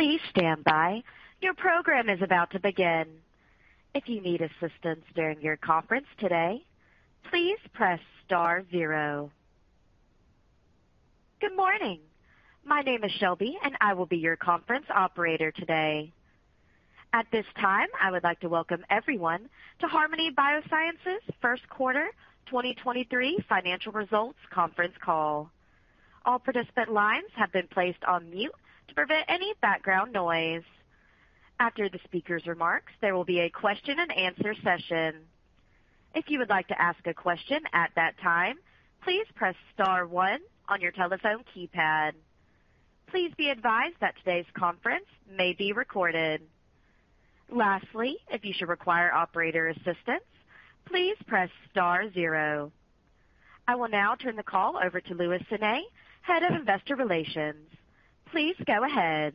Please stand by. Your program is about to begin. If you need assistance during your conference today, please press star zero. Good morning. My name is Shelby. I will be your conference operator today. At this time, I would like to welcome everyone to Harmony Biosciences First Quarter 2023 Financial Results Conference Call. All participant lines have been placed on mute to prevent any background noise. After the speaker's remarks, there will be a question-and-answer session. If you would like to ask a question at that time, please press star one on your telephone keypad. Please be advised that today's conference may be recorded. Lastly, if you should require operator assistance, please press star zero. I will now turn the call over to Luis Sanay, Head of Investor Relations. Please go ahead.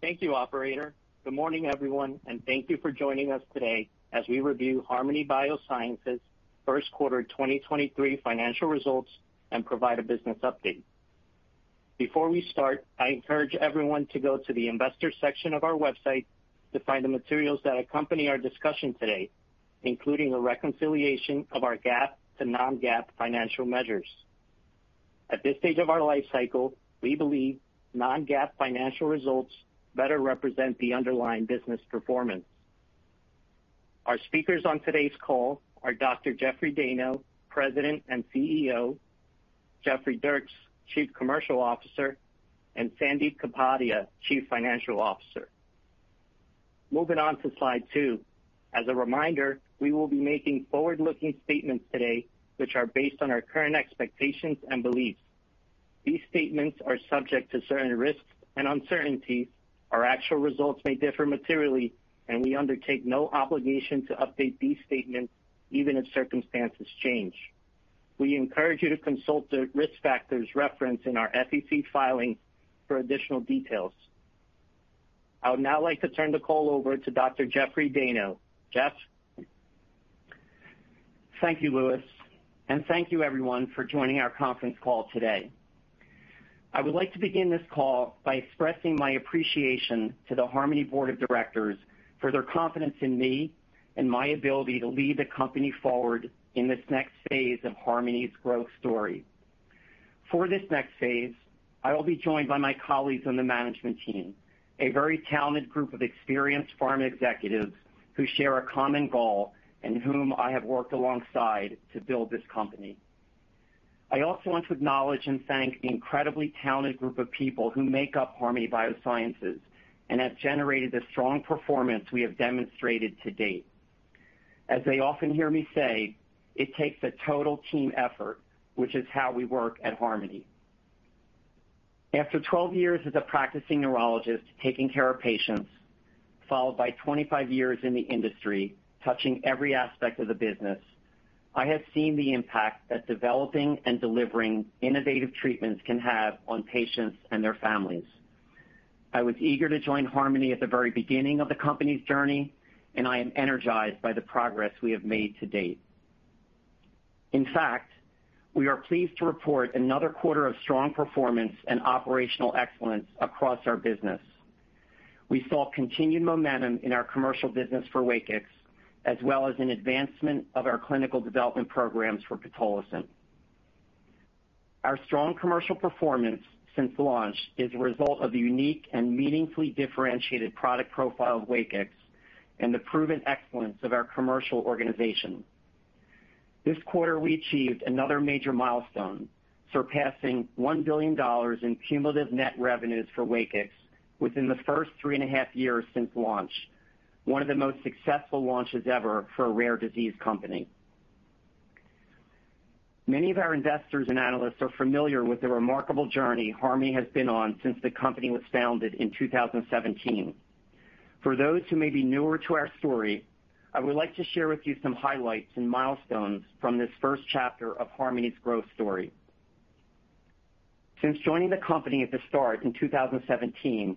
Thank you, operator. Good morning, everyone, and thank you for joining us today as we review Harmony Biosciences first quarter 2023 financial results and provide a business update. Before we start, I encourage everyone to go to the investor section of our website to find the materials that accompany our discussion today, including a reconciliation of our GAAP to non-GAAP financial measures. At this stage of our life cycle, we believe non-GAAP financial results better represent the underlying business performance. Our speakers on today's call are Dr. Jeffrey Dayno, President and CEO, Jeffrey Dierks, Chief Commercial Officer, and Sandip Kapadia, Chief Financial Officer. Moving on to Slide 2. As a reminder, we will be making forward-looking statements today, which are based on our current expectations and beliefs. These statements are subject to certain risks and uncertainties. Our actual results may differ materially. We undertake no obligation to update these statements even if circumstances change. We encourage you to consult the risk factors referenced in our SEC filing for additional details. I would now like to turn the call over to Dr. Jeffrey Dayno. Jeff? Thank you, Louis, and thank you everyone for joining our conference call today. I would like to begin this call by expressing my appreciation to the Harmony Board of Directors for their confidence in me and my ability to lead the company forward in this next phase of Harmony's growth story. For this next phase, I will be joined by my colleagues on the management team, a very talented group of experienced pharma executives who share a common goal and whom I have worked alongside to build this company. I also want to acknowledge and thank the incredibly talented group of people who make up Harmony Biosciences and have generated the strong performance we have demonstrated to date. As they often hear me say, it takes a total team effort, which is how we work at Harmony. After 12 years as a practicing neurologist taking care of patients, followed by 25 years in the industry touching every aspect of the business, I have seen the impact that developing and delivering innovative treatments can have on patients and their families. I was eager to join Harmony at the very beginning of the company's journey, I am energized by the progress we have made to date. In fact, we are pleased to report another quarter of strong performance and operational excellence across our business. We saw continued momentum in our commercial business for WAKIX, as well as an advancement of our clinical development programs for pitolisant. Our strong commercial performance since launch is a result of the unique and meaningfully differentiated product profile of WAKIX and the proven excellence of our commercial organization. This quarter, we achieved another major milestone, surpassing $1 billion in cumulative net revenues for WAKIX within the first three and a half years since launch, one of the most successful launches ever for a rare disease company. Many of our investors and analysts are familiar with the remarkable journey Harmony has been on since the company was founded in 2017. For those who may be newer to our story, I would like to share with you some highlights and milestones from this first chapter of Harmony's growth story. Since joining the company at the start in 2017,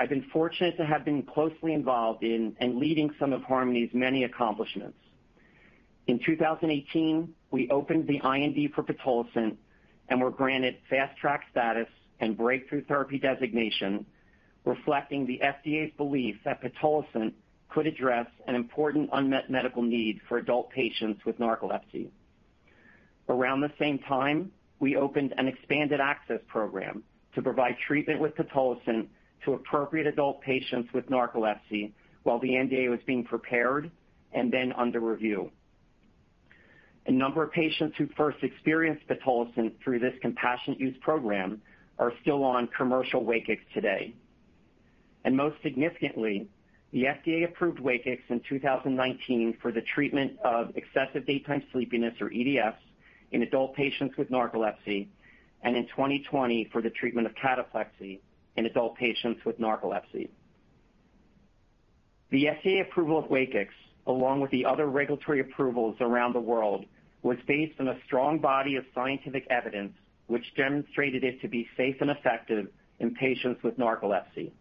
I've been fortunate to have been closely involved in and leading some of Harmony's many accomplishments. In 2018, we opened the IND for pitolisant and were granted Fast Track status and Breakthrough Therapy designation, reflecting the FDA's belief that pitolisant could address an important unmet medical need for adult patients with narcolepsy. Around the same time, we opened an expanded access program to provide treatment with pitolisant to appropriate adult patients with narcolepsy while the NDA was being prepared and then under review. A number of patients who first experienced pitolisant through this compassionate use program are still on commercial WAKIX today. Most significantly, the FDA approved WAKIX in 2019 for the treatment of excessive daytime sleepiness, or EDS, in adult patients with narcolepsy, and in 2020 for the treatment of cataplexy in adult patients with narcolepsy. The FDA approval of WAKIX, along with the other regulatory approvals around the world, was based on a strong body of scientific evidence, which demonstrated it to be safe and effective in patients with narcolepsy.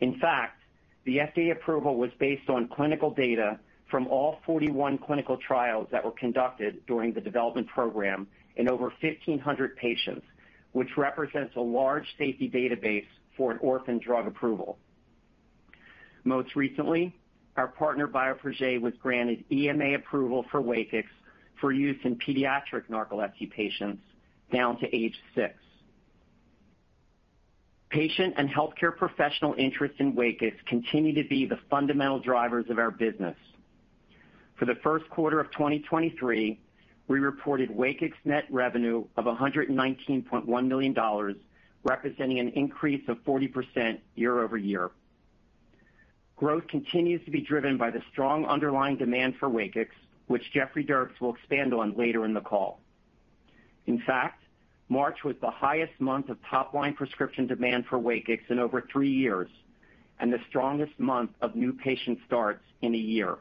In fact, the FDA approval was based on clinical data from all 41 clinical trials that were conducted during the development program in over 1,500 patients, which represents a large safety database for an orphan drug approval. Most recently, our partner, Bioprojet, was granted EMA approval for WAKIX for use in pediatric narcolepsy patients down to age 6. Patient and healthcare professional interest in WAKIX continue to be the fundamental drivers of our business. For the first quarter of 2023, we reported WAKIX net revenue of $119.1 million, representing an increase of 40% year-over-year. Growth continues to be driven by the strong underlying demand for WAKIX, which Jeffrey Dierks will expand on later in the call. In fact, March was the highest month of top line prescription demand for WAKIX in over three years and the strongest month of new patient starts in a year.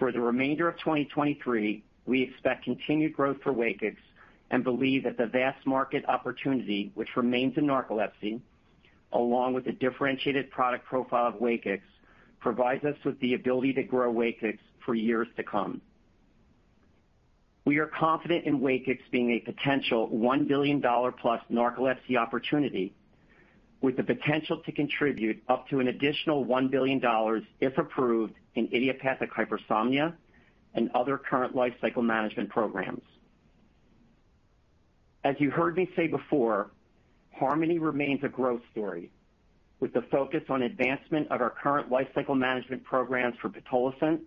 For the remainder of 2023, we expect continued growth for WAKIX and believe that the vast market opportunity, which remains in narcolepsy, along with the differentiated product profile of WAKIX, provides us with the ability to grow WAKIX for years to come. We are confident in WAKIX being a potential $1 billion+ narcolepsy opportunity with the potential to contribute up to an additional $1 billion if approved in idiopathic hypersomnia and other current lifecycle management programs. As you heard me say before, Harmony remains a growth story with the focus on advancement of our current lifecycle management programs for pitolisant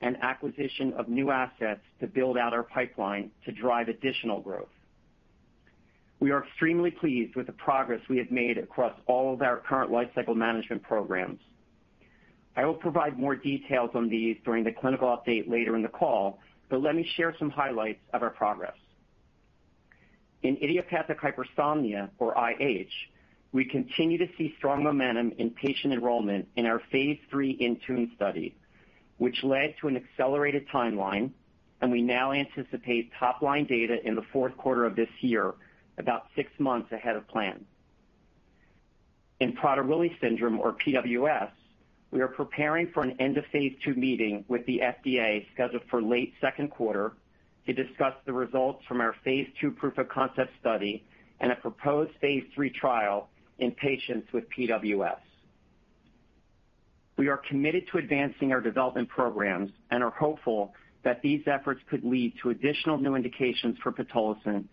and acquisition of new assets to build out our pipeline to drive additional growth. We are extremely pleased with the progress we have made across all of our current lifecycle management programs. I will provide more details on these during the clinical update later in the call, but let me share some highlights of our progress. In idiopathic hypersomnia, or IH, we continue to see strong momentum in patient enrollment in our phase III INTUNE study, which led to an accelerated timeline, and we now anticipate top line data in the fourth quarter of this year, about 6 months ahead of plan. In Prader-Willi syndrome, or PWS, we are preparing for an end-of-phase II meeting with the FDA scheduled for late second quarter to discuss the results from our phase II proof of concept study and a proposed phase II trial in patients with PWS. We are committed to advancing our development programs and are hopeful that these efforts could lead to additional new indications for pitolisant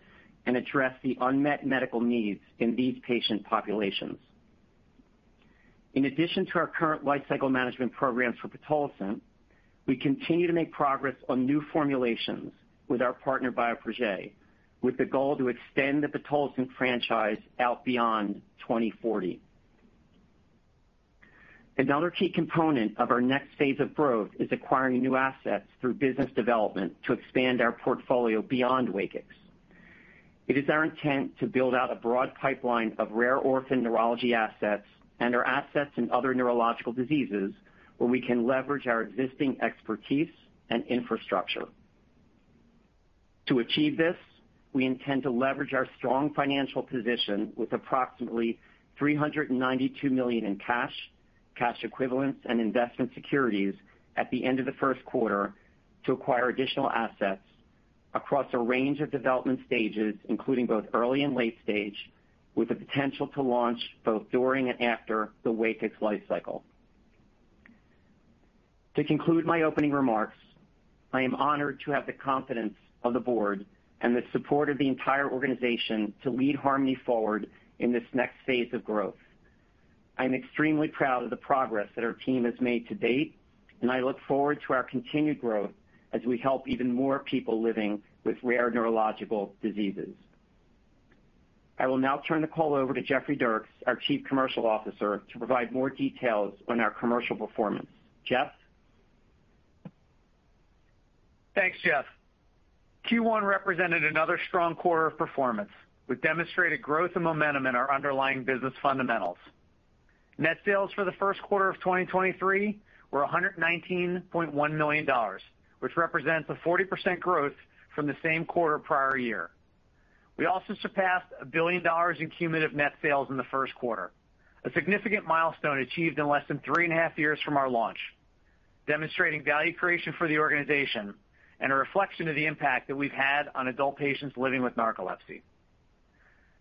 and address the unmet medical needs in these patient populations. In addition to our current lifecycle management programs for pitolisant, we continue to make progress on new formulations with our partner, Bioprojet, with the goal to extend the pitolisant franchise out beyond 2040. Another key component of our next phase of growth is acquiring new assets through business development to expand our portfolio beyond WAKIX. It is our intent to build out a broad pipeline of rare orphan neurology assets and our assets in other neurological diseases where we can leverage our existing expertise and infrastructure. To achieve this, we intend to leverage our strong financial position with approximately $392 million in cash equivalents and investment securities at the end of the first quarter to acquire additional assets across a range of development stages, including both early and late stage, with the potential to launch both during and after the WAKIX lifecycle. To conclude my opening remarks, I am honored to have the confidence of the Board and the support of the entire organization to lead Harmony forward in this next phase of growth. I'm extremely proud of the progress that our team has made to date, and I look forward to our continued growth as we help even more people living with rare neurological diseases. I will now turn the call over to Jeffrey Dierks, our Chief Commercial Officer, to provide more details on our commercial performance. Jeff? Thanks, Jeff. Q1 represented another strong quarter of performance. We've demonstrated growth and momentum in our underlying business fundamentals. Net sales for the first quarter of 2023 were $119.1 million, which represents a 40% growth from the same quarter prior year. We also surpassed $1 billion in cumulative net sales in the first quarter, a significant milestone achieved in less than three and a half years from our launch, demonstrating value creation for the organization and a reflection of the impact that we've had on adult patients living with narcolepsy.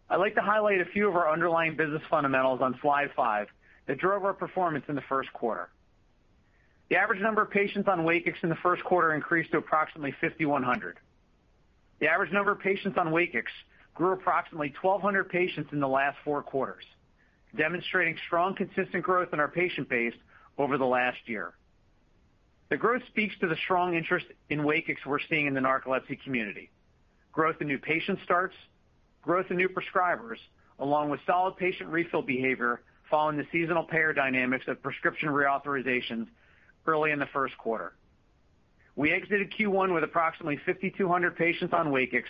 I'd like to highlight a few of our underlying business fundamentals on slide five that drove our performance in the first quarter. The average number of patients on WAKIX in the first quarter increased to approximately 5,100. The average number of patients on WAKIX grew approximately 1,200 patients in the last four quarters, demonstrating strong, consistent growth in our patient base over the last year. The growth speaks to the strong interest in WAKIX we're seeing in the narcolepsy community. Growth in new patient starts, growth in new prescribers, along with solid patient refill behavior following the seasonal payer dynamics of prescription reauthorizations early in the first quarter. We exited Q1 with approximately 5,200 patients on WAKIX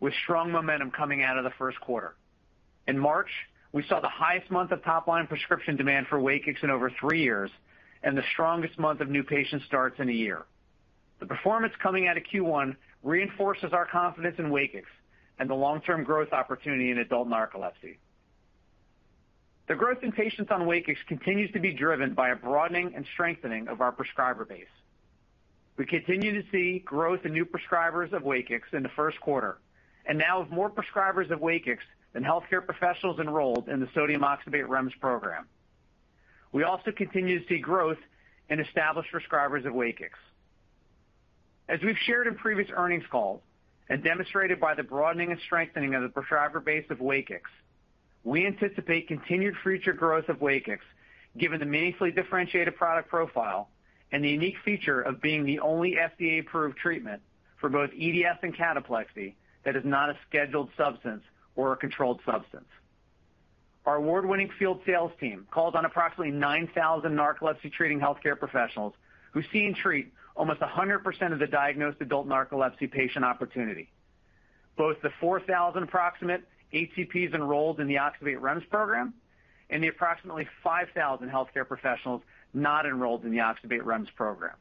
with strong momentum coming out of the first quarter. In March, we saw the highest month of top line prescription demand for WAKIX in over three years and the strongest month of new patient starts in a year. The performance coming out of Q1 reinforces our confidence in WAKIX and the long-term growth opportunity in adult narcolepsy. The growth in patients on WAKIX continues to be driven by a broadening and strengthening of our prescriber base. We continue to see growth in new prescribers of WAKIX in the first quarter. Now have more prescribers of WAKIX than healthcare professionals enrolled in the sodium oxybate REMS program. We also continue to see growth in established prescribers of WAKIX. As we've shared in previous earnings calls and demonstrated by the broadening and strengthening of the prescriber base of WAKIX, we anticipate continued future growth of WAKIX given the meaningfully differentiated product profile and the unique feature of being the only FDA-approved treatment for both EDS and cataplexy that is not a scheduled substance or a controlled substance. Our award-winning field sales team calls on approximately 9,000 narcolepsy-treating healthcare professionals who see and treat almost 100% of the diagnosed adult narcolepsy patient opportunity, both the 4,000 approximate HCPs enrolled in the oxybate REMS program and the approximately 5,000 healthcare professionals not enrolled in the oxybate REMS program.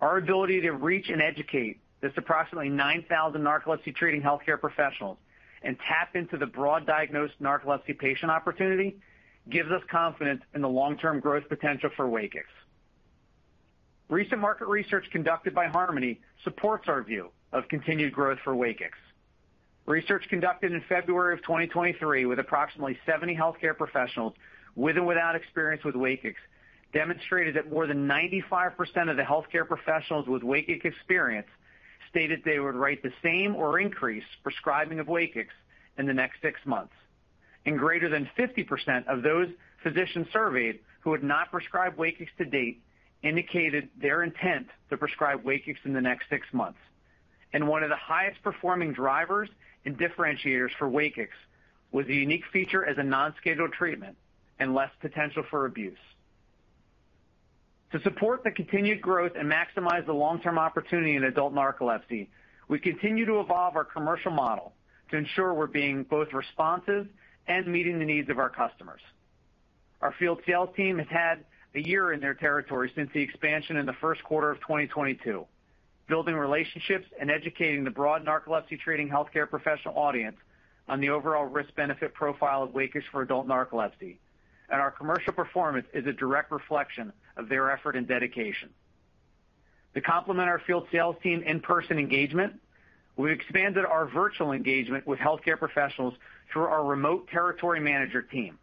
Our ability to reach and educate this approximately 9,000 narcolepsy-treating healthcare professionals and tap into the broad diagnosed narcolepsy patient opportunity gives us confidence in the long-term growth potential for WAKIX. Recent market research conducted by Harmony supports our view of continued growth for WAKIX. Research conducted in February of 2023 with approximately 70 healthcare professionals with or without experience with WAKIX demonstrated that more than 95% of the healthcare professionals with WAKIX experience stated they would write the same or increase prescribing of WAKIX in the next six months. Greater than 50% of those physicians surveyed who had not prescribed WAKIX to date indicated their intent to prescribe WAKIX in the next six months. One of the highest-performing drivers and differentiators for WAKIX was the unique feature as a non-scheduled treatment and less potential for abuse. To support the continued growth and maximize the long-term opportunity in adult narcolepsy, we continue to evolve our commercial model to ensure we're being both responsive and meeting the needs of our customers. Our field sales team has had a year in their territory since the expansion in the first quarter of 2022, building relationships and educating the broad narcolepsy treating healthcare professional audience on the overall risk-benefit profile of WAKIX for adult narcolepsy. Our commercial performance is a direct reflection of their effort and dedication. To complement our field sales team in-person engagement, we've expanded our virtual engagement with healthcare professionals through our remote territory manager team.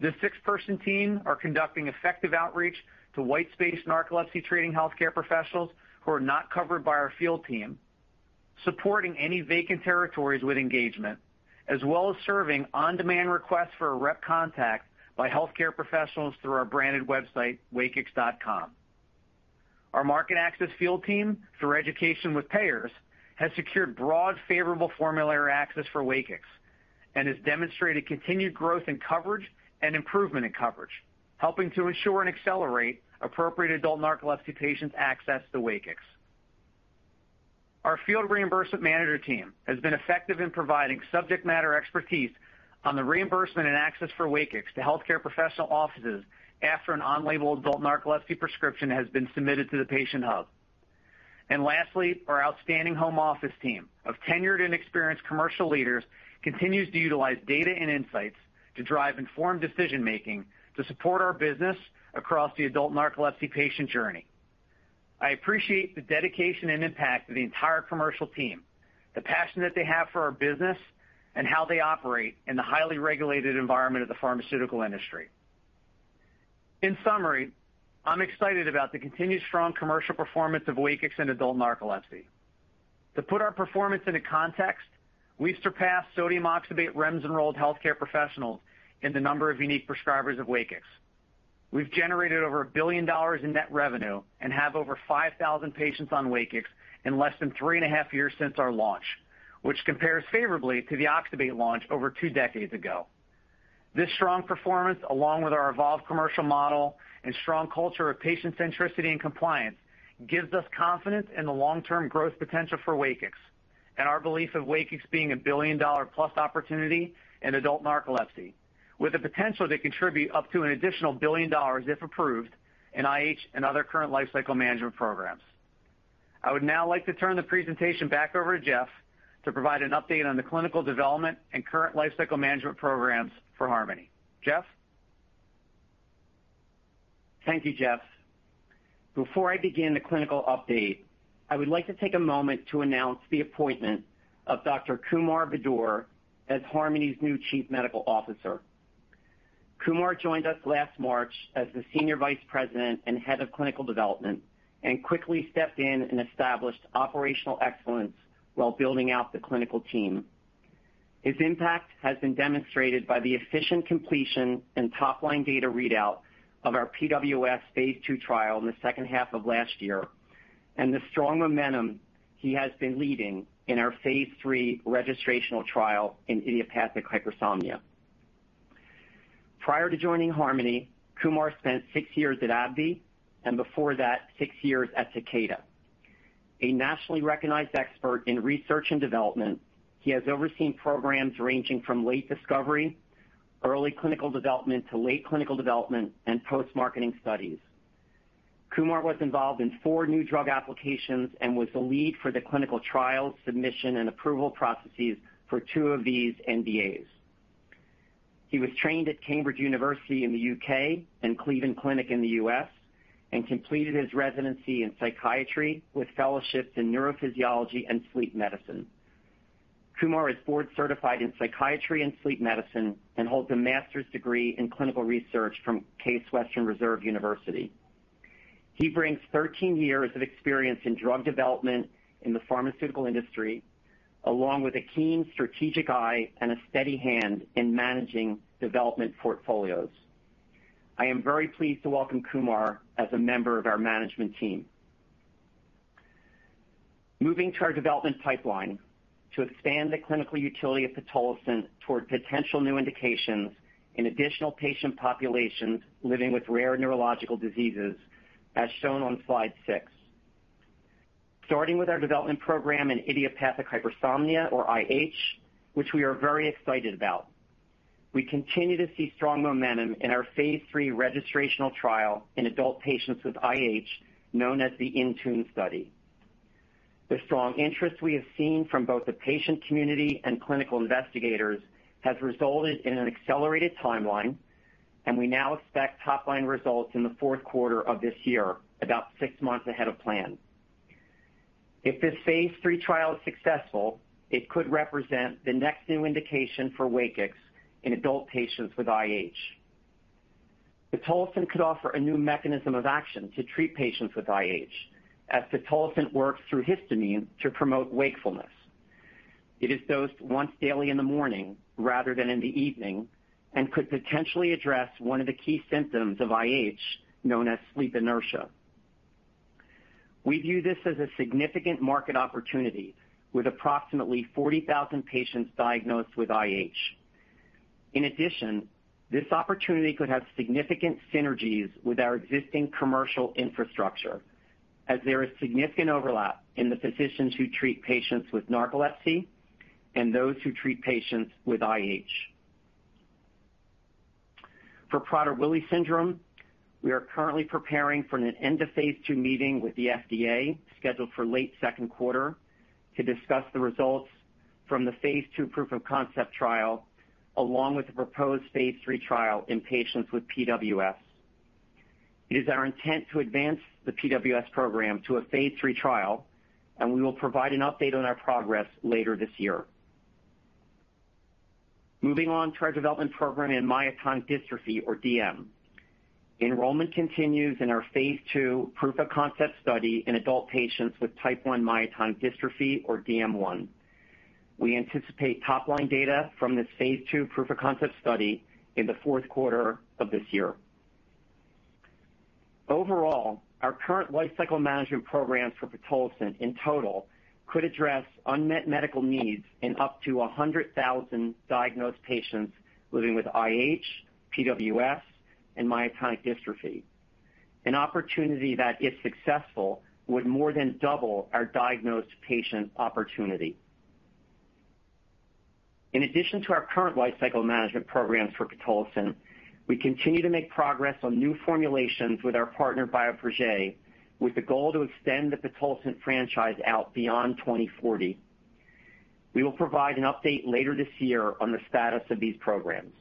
This 6-person team are conducting effective outreach to white space narcolepsy treating healthcare professionals who are not covered by our field team, supporting any vacant territories with engagement, as well as serving on-demand requests for a rep contact by healthcare professionals through our branded website, wakix.com. Our market access field team, through education with payers, has secured broad favorable formulary access for WAKIX and has demonstrated continued growth in coverage and improvement in coverage, helping to ensure and accelerate appropriate adult narcolepsy patients access to WAKIX. Our field reimbursement manager team has been effective in providing subject matter expertise on the reimbursement and access for WAKIX to healthcare professional offices after an on-label adult narcolepsy prescription has been submitted to the patient hub. Lastly, our outstanding home office team of tenured and experienced commercial leaders continues to utilize data and insights to drive informed decision-making to support our business across the adult narcolepsy patient journey. I appreciate the dedication and impact of the entire commercial team, the passion that they have for our business, and how they operate in the highly regulated environment of the pharmaceutical industry. Summary, I'm excited about the continued strong commercial performance of WAKIX in adult narcolepsy. To put our performance into context, we've surpassed sodium oxybate REMS-enrolled healthcare professionals in the number of unique prescribers of WAKIX. We've generated over $1 billion in net revenue and have over 5,000 patients on WAKIX in less than 3.5 years since our launch, which compares favorably to the oxybate launch over two decades ago. This strong performance, along with our evolved commercial model and strong culture of patient centricity and compliance, gives us confidence in the long-term growth potential for WAKIX and our belief of WAKIX being a $1 billion-plus opportunity in adult narcolepsy, with the potential to contribute up to an additional $1 billion if approved in IH and other current lifecycle management programs. I would now like to turn the presentation back over to Jeff to provide an update on the clinical development and current lifecycle management programs for Harmony. Jeff? Thank you, Jeff. Before I begin the clinical update, I would like to take a moment to announce the appointment of Dr. Kumar Budur as Harmony's new Chief Medical Officer. Kumar joined us last March as the Senior Vice President and Head of Clinical Development, and quickly stepped in and established operational excellence while building out the clinical team. His impact has been demonstrated by the efficient completion and top-line data readout of our PWS phase II trial in the second half of last year, and the strong momentum he has been leading in our phase III registrational trial in idiopathic hypersomnia. Prior to joining Harmony, Kumar spent six years at AbbVie, and before that, six years at Takeda. A nationally recognized expert in research and development, he has overseen programs ranging from late discovery early clinical development to late clinical development and post-marketing studies. Kumar was involved in four new drug applications and was the lead for the clinical trials, submission, and approval processes for two of these NDAs. He was trained at Cambridge University in the U.K. and Cleveland Clinic in the U.S. and completed his residency in psychiatry with fellowships in neurophysiology and sleep medicine. Kumar is board certified in psychiatry and sleep medicine and holds a master's degree in clinical research from Case Western Reserve University. He brings 13 years of experience in drug development in the pharmaceutical industry, along with a keen strategic eye and a steady hand in managing development portfolios. I am very pleased to welcome Kumar as a member of our management team. Moving to our development pipeline. To expand the clinical utility of pitolisant toward potential new indications in additional patient populations living with rare neurological diseases, as shown on slide 6. Starting with our development program in idiopathic hypersomnia or IH, which we are very excited about. We continue to see strong momentum in our phase III registrational trial in adult patients with IH, known as the INTUNE study. The strong interest we have seen from both the patient community and clinical investigators has resulted in an accelerated timeline, and we now expect top-line results in the fourth quarter of this year, about six months ahead of plan. If this phase III trial is successful, it could represent the next new indication for WAKIX in adult patients with IH. Pitolisant could offer a new mechanism of action to treat patients with IH as pitolisant works through histamine to promote wakefulness. It is dosed once daily in the morning rather than in the evening and could potentially address one of the key symptoms of IH, known as sleep inertia. We view this as a significant market opportunity with approximately 40,000 patients diagnosed with IH. In addition, this opportunity could have significant synergies with our existing commercial infrastructure, as there is significant overlap in the physicians who treat patients with narcolepsy and those who treat patients with IH. For Prader-Willi syndrome, we are currently preparing for an end-of-phase II meeting with the FDA, scheduled for late second quarter, to discuss the results from the phase II proof of concept trial, along with the proposed phase III trial in patients with PWS. It is our intent to advance the PWS program to a phase III trial, and we will provide an update on our progress later this year. Moving on to our development program in myotonic dystrophy or DM. Enrollment continues in our phase II proof of concept study in adult patients with type one myotonic dystrophy or DM1. We anticipate top-line data from this phase II proof of concept study in the fourth quarter of this year. Our current lifecycle management programs for pitolisant in total could address unmet medical needs in up to 100,000 diagnosed patients living with IH, PWS, and myotonic dystrophy. An opportunity that, if successful, would more than double our diagnosed patient opportunity. In addition to our current lifecycle management programs for pitolisant, we continue to make progress on new formulations with our partner, Bioprojet, with the goal to extend the pitolisant franchise out beyond 2040. We will provide an update later this year on the status of these programs.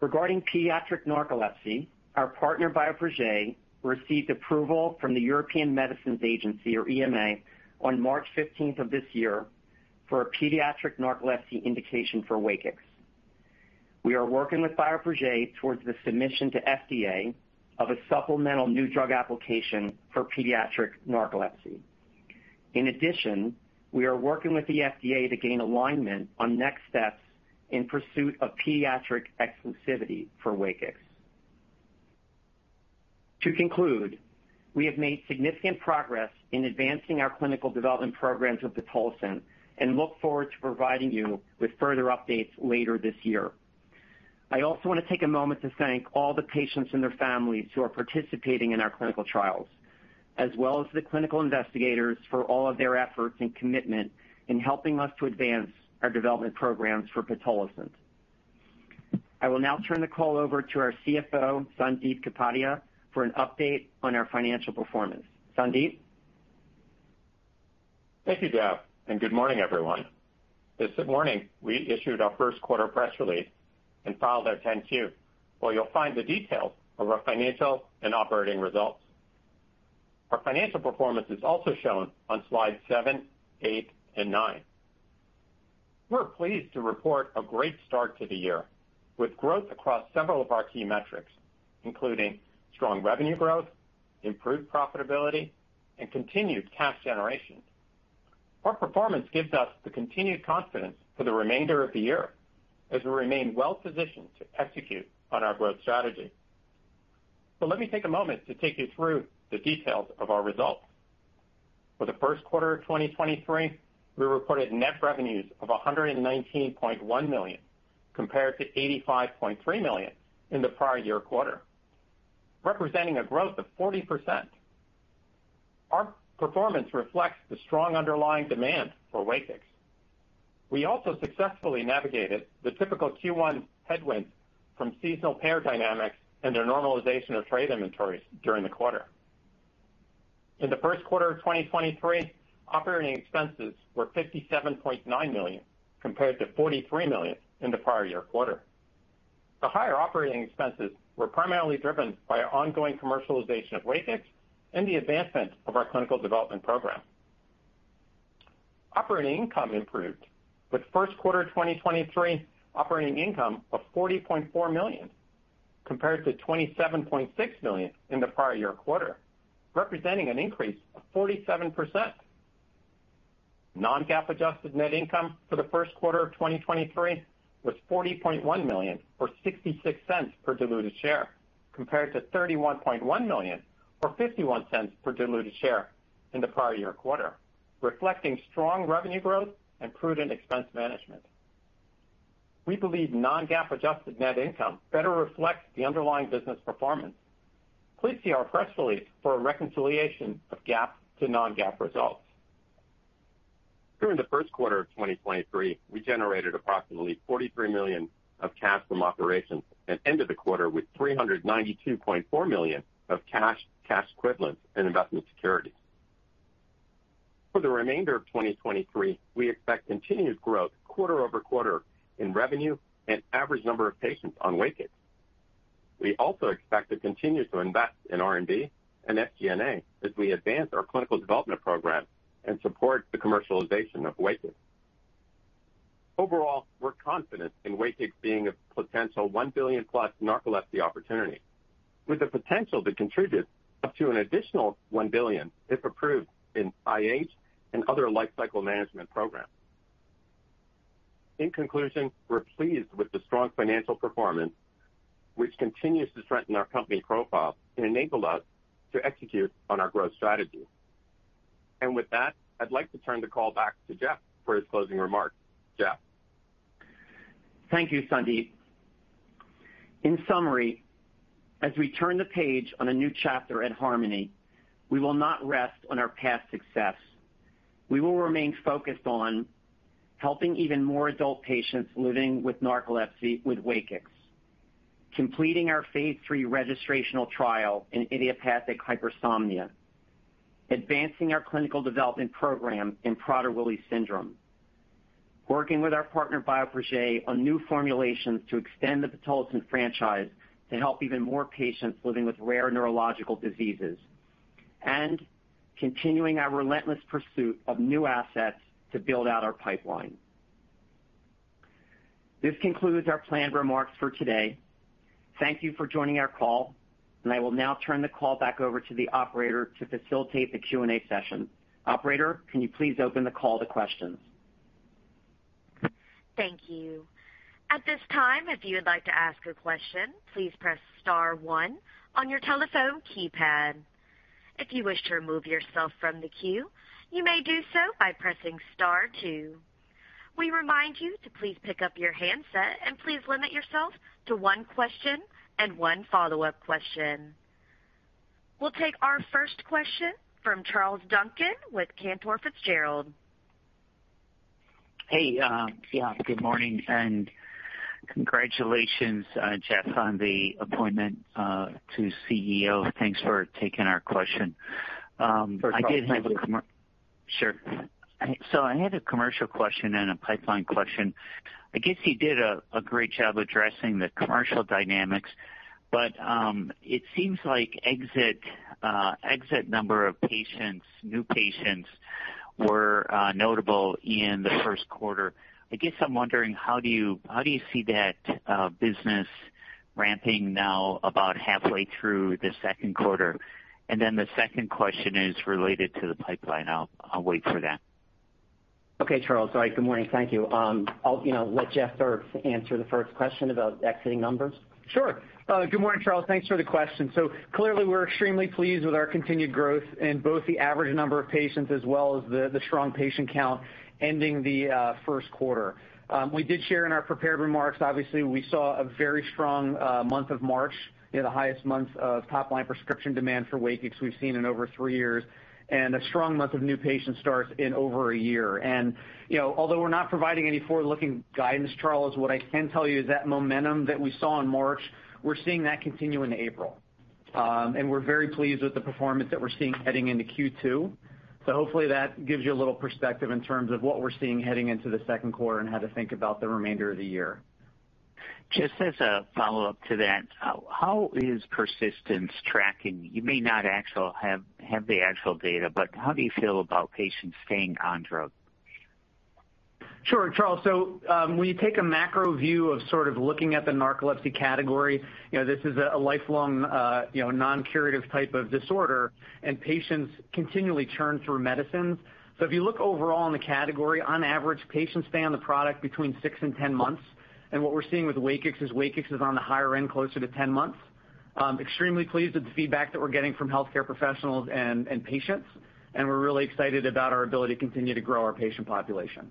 Regarding pediatric narcolepsy, our partner, Bioprojet, received approval from the European Medicines Agency or EMA on March 15th of this year for a pediatric narcolepsy indication for WAKIX. We are working with Bioprojet towards the submission to FDA of a supplemental new drug application for pediatric narcolepsy. In addition, we are working with the FDA to gain alignment on next steps in pursuit of pediatric exclusivity for WAKIX. To conclude, we have made significant progress in advancing our clinical development programs with pitolisant and look forward to providing you with further updates later this year. I also want to take a moment to thank all the patients and their families who are participating in our clinical trials, as well as the clinical investigators for all of their efforts and commitment in helping us to advance our development programs for pitolisant. I will now turn the call over to our CFO, Sandip Kapadia, for an update on our financial performance. Sandip? Thank you, Jeff. Good morning, everyone. This morning, we issued our first quarter press release and filed our 10-Q, where you'll find the details of our financial and operating results. Our financial performance is also shown on slide 7, 8, and 9. We're pleased to report a great start to the year, with growth across several of our key metrics, including strong revenue growth, improved profitability, and continued cash generation. Our performance gives us the continued confidence for the remainder of the year as we remain well positioned to execute on our growth strategy. Let me take a moment to take you through the details of our results. For the first quarter of 2023, we reported net revenues of $119.1 million, compared to $85.3 million in the prior year quarter, representing a growth of 40%. Our performance reflects the strong underlying demand for WAKIX. We also successfully navigated the typical Q1 headwinds from seasonal payer dynamics and the normalization of trade inventories during the quarter. In the first quarter of 2023, operating expenses were $57.9 million compared to $43 million in the prior year quarter. The higher operating expenses were primarily driven by our ongoing commercialization of WAKIX and the advancement of our clinical development program. Operating income improved, with first quarter 2023 operating income of $40.4 million compared to $27.6 million in the prior year quarter, representing an increase of 47%. non-GAAP adjusted net income for the first quarter of 2023 was $40.1 million or $0.66 per diluted share, compared to $31.1 million or $0.51 per diluted share in the prior year quarter, reflecting strong revenue growth and prudent expense management. We believe non-GAAP adjusted net income better reflects the underlying business performance. Please see our press release for a reconciliation of GAAP to non-GAAP results. During the first quarter of 2023, we generated approximately $43 million of cash from operations and ended the quarter with $392.4 million of cash equivalents in investment securities. For the remainder of 2023, we expect continued growth quarter-over-quarter in revenue and average number of patients on WAKIX. We also expect to continue to invest in R&D and SG&A as we advance our clinical development program and support the commercialization of WAKIX. Overall, we're confident in WAKIX being a potential $1 billion-plus narcolepsy opportunity, with the potential to contribute up to an additional $1 billion if approved in IH and other lifecycle management programs. In conclusion, we're pleased with the strong financial performance, which continues to strengthen our company profile and enable us to execute on our growth strategy. With that, I'd like to turn the call back to Jeff for his closing remarks. Jeff? Thank you, Sandip. In summary, as we turn the page on a new chapter at Harmony, we will not rest on our past success. We will remain focused on helping even more adult patients living with narcolepsy with WAKIX, completing our phase III registrational trial in idiopathic hypersomnia, advancing our clinical development program in Prader-Willi syndrome, working with our partner, Bioprojet, on new formulations to extend the pitolisant franchise to help even more patients living with rare neurological diseases, and continuing our relentless pursuit of new assets to build out our pipeline. This concludes our planned remarks for today. Thank you for joining our call, and I will now turn the call back over to the operator to facilitate the Q&A session. Operator, can you please open the call to questions? Thank you. At this time, if you would like to ask a question, please press star one on your telephone keypad. If you wish to remove yourself from the queue, you may do so by pressing star two. We remind you to please pick up your handset and please limit yourself to one question and one follow-up question. We'll take our first question from Charles Duncan with Cantor Fitzgerald. Hey, yeah, good morning and congratulations, Jeffrey Dayno, on the appointment to CEO. Thanks for taking our question. I did have a First of all, thank you. Sure. I had a commercial question and a pipeline question. I guess you did a great job addressing the commercial dynamics, but it seems like exit number of patients, new patients were notable in the first quarter. I guess I'm wondering how do you see that business ramping now about halfway through the second quarter? The second question is related to the pipeline. I'll wait for that. Okay, Charles. All right. Good morning. Thank you. I'll, you know, let Jeff Dierks answer the first question about exiting numbers. Sure. Good morning, Charles. Thanks for the question. Clearly we're extremely pleased with our continued growth in both the average number of patients as well as the strong patient count ending the first quarter. We did share in our prepared remarks, obviously, we saw a very strong month of March, you know, the highest month of top-line prescription demand for WAKIX we've seen in over three years, and a strong month of new patient starts in over one year. You know, although we're not providing any forward-looking guidance, Charles, what I can tell you is that momentum that we saw in March, we're seeing that continue into April. We're very pleased with the performance that we're seeing heading into Q2. Hopefully that gives you a little perspective in terms of what we're seeing heading into the second quarter and how to think about the remainder of the year. Just as a follow-up to that, how is persistence tracking? You may not actual have the actual data, but how do you feel about patients staying on drug? Sure, Charles. When you take a macro view of sort of looking at the narcolepsy category, you know, this is a lifelong, you know, non-curative type of disorder, and patients continually churn through medicines. If you look overall in the category, on average, patients stay on the product between six and 10 months. What we're seeing with WAKIX is WAKIX is on the higher end, closer to 10 months. Extremely pleased with the feedback that we're getting from healthcare professionals and patients, and we're really excited about our ability to continue to grow our patient population. Okay,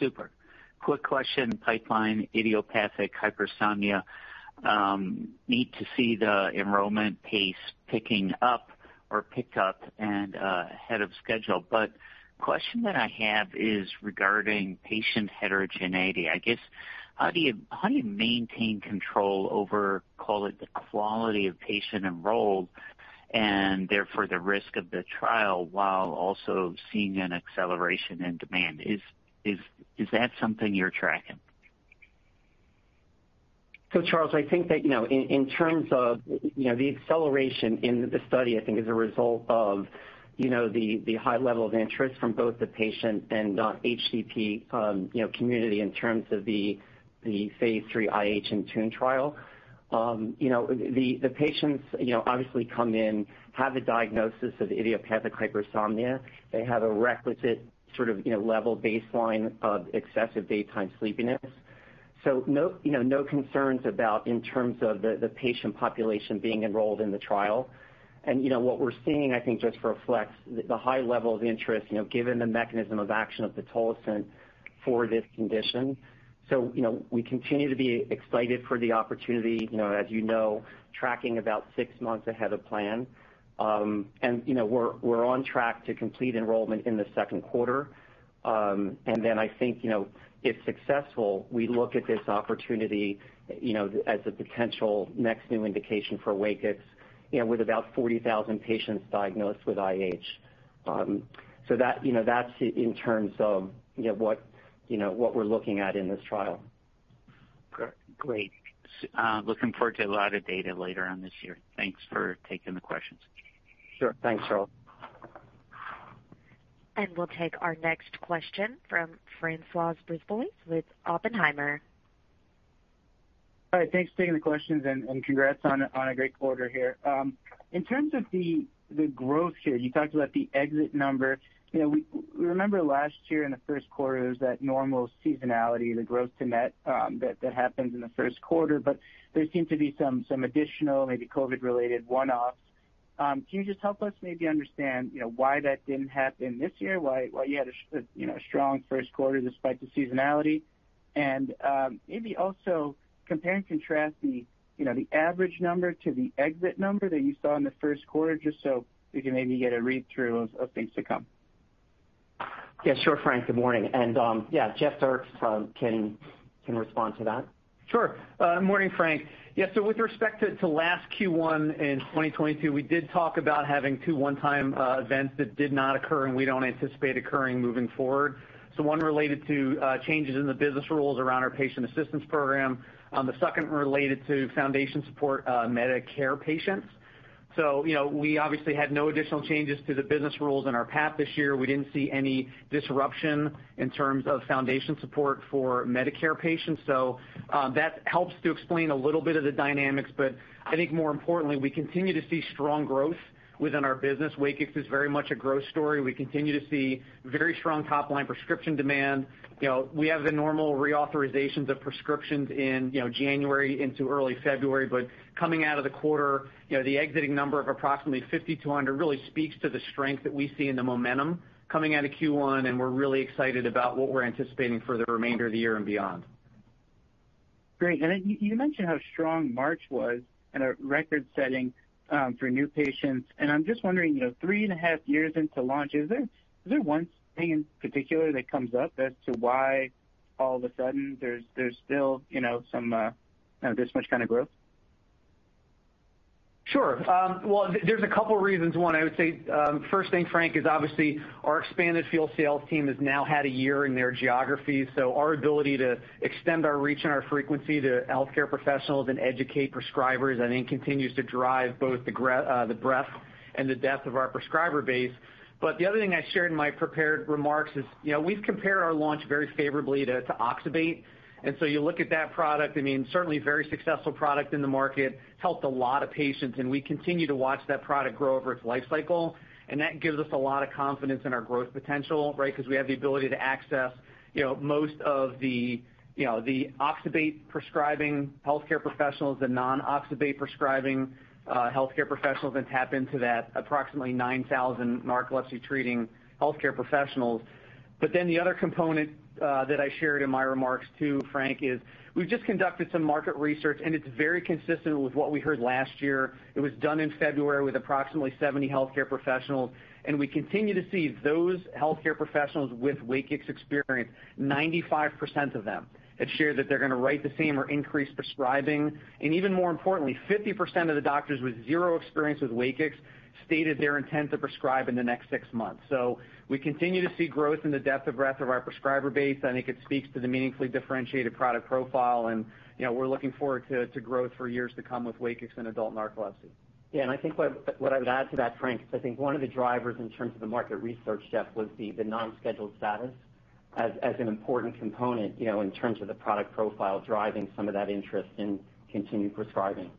super. Quick question. Pipeline idiopathic hypersomnia. Need to see the enrollment pace picking up or pick up and ahead of schedule. Question that I have is regarding patient heterogeneity. I guess, how do you maintain control over, call it the quality of patient enrolled and therefore the risk of the trial, while also seeing an acceleration in demand? Is that something you're tracking? Charles, I think that, you know, in terms of, you know, the acceleration in the study, I think is a result of, you know, the high level of interest from both the patient and HCP, you know, community in terms of the phase III IH INTUNE trial. You know, the patients, you know, obviously come in, have a diagnosis of idiopathic hypersomnia. They have a requisite sort of, you know, level baseline of excessive daytime sleepiness. No, you know, no concerns about in terms of the patient population being enrolled in the trial. You know, what we're seeing, I think, just reflects the high level of interest, you know, given the mechanism of action of pitolisant for this condition. You know, we continue to be excited for the opportunity, you know, as you know, tracking about six months ahead of plan. You know, we're on track to complete enrollment in the second quarter. Then I think, you know, if successful, we look at this opportunity, you know, as a potential next new indication for WAKIX, you know, with about 40,000 patients diagnosed with IH. That, you know, that's in terms of, you know, what we're looking at in this trial. Great. Looking forward to a lot of data later on this year. Thanks for taking the questions. Sure. Thanks, Charles. We'll take our next question from Francois Brisebois with Oppenheimer. All right, thanks for taking the questions and congrats on a great quarter here. In terms of the growth here, you talked about the exit number. You know, we remember last year in the first quarter, it was that normal seasonality, the growth to net, that happens in the first quarter. There seemed to be some additional maybe COVID related one-offs. Can you just help us maybe understand, you know, why that didn't happen this year? Why you had a, you know, a strong first quarter despite the seasonality? Maybe also compare and contrast the, you know, the average number to the exit number that you saw in the first quarter, just so we can maybe get a read through of things to come. Yeah, sure, Frank. Good morning. Yeah, Jeff Dierks can respond to that. Sure. Morning, Frank. Yeah, with respect to last Q1 in 2022, we did talk about having two one-time events that did not occur and we don't anticipate occurring moving forward. One related to changes in the business rules around our patient assistance program. The second related to foundation support, Medicare patients. You know, we obviously had no additional changes to the business rules in our path this year. We didn't see any disruption in terms of foundation support for Medicare patients. That helps to explain a little bit of the dynamics, but I think more importantly, we continue to see strong growth within our business. WAKIX is very much a growth story. We continue to see very strong top-line prescription demand. You know, we have the normal reauthorizations of prescriptions in you know January into early February. Coming out of the quarter, you know, the exiting number of approximately 5,200 really speaks to the strength that we see in the momentum coming out of Q1, and we're really excited about what we're anticipating for the remainder of the year and beyond. Great. You mentioned how strong March was and a record-setting for new patients. I'm just wondering, you know, 3.5 years into launch, is there one thing in particular that comes up as to why all of a sudden there's still, you know, some this much kind of growth? Sure. Well, there's a couple reasons. One, I would say, first thing, Frank, is obviously our expanded field sales team has now had one year in their geography. Our ability to extend our reach and our frequency to healthcare professionals and educate prescribers, I think, continues to drive both the breadth and the depth of our prescriber base. The other thing I shared in my prepared remarks is, you know, we've compared our launch very favorably to oxybate. You look at that product, I mean, certainly very successful product in the market, helped a lot of patients, and we continue to watch that product grow over its life cycle. That gives us a lot of confidence in our growth potential, right? 'Cause we have the ability to access, you know, most of the, you know, the oxybate prescribing healthcare professionals, the non-oxybate prescribing, healthcare professionals and tap into that approximately 9,000 narcolepsy treating healthcare professionals. The other component, that I shared in my remarks too, Frank, is we've just conducted some market research, and it's very consistent with what we heard last year. It was done in February with approximately 70 healthcare professionals. We continue to see those healthcare professionals with WAKIX experience. 95% of them had shared that they're gonna write the same or increase prescribing. Even more importantly, 50% of the doctors with zero experience with WAKIX stated their intent to prescribe in the next six months. We continue to see growth in the depth of breadth of our prescriber base. I think it speaks to the meaningfully differentiated product profile. You know, we're looking forward to growth for years to come with WAKIX in adult narcolepsy. Yeah. I think what I would add to that, Frank, is I think one of the drivers in terms of the market research, Jeff, was the non-scheduled status as an important component, you know, in terms of the product profile driving some of that interest in continued prescribing.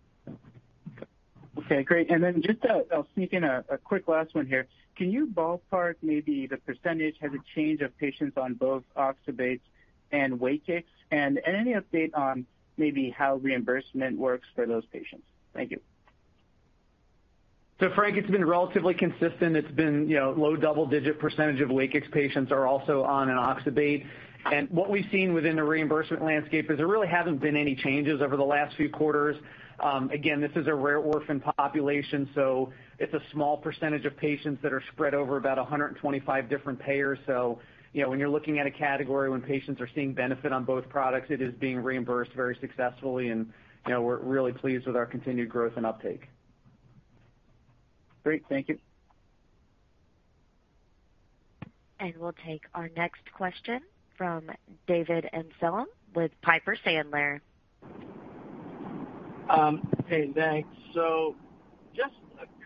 Okay, great. Then just, I'll sneak in a quick last one here. Can you ballpark maybe the % as a change of patients on both oxybates and WAKIX? Any update on maybe how reimbursement works for those patients? Thank you. Frank, it's been relatively consistent. It's been, you know, low double-digit % of WAKIX patients are also on an oxybate. What we've seen within the reimbursement landscape is there really hasn't been any changes over the last few quarters. Again, this is a rare orphan population, so it's a small % of patients that are spread over about 125 different payers. When you're looking at a category when patients are seeing benefit on both products, it is being reimbursed very successfully, and, you know, we're really pleased with our continued growth and uptake. Great. Thank you. We'll take our next question from David Amsellem with Piper Sandler. Hey, thanks. Just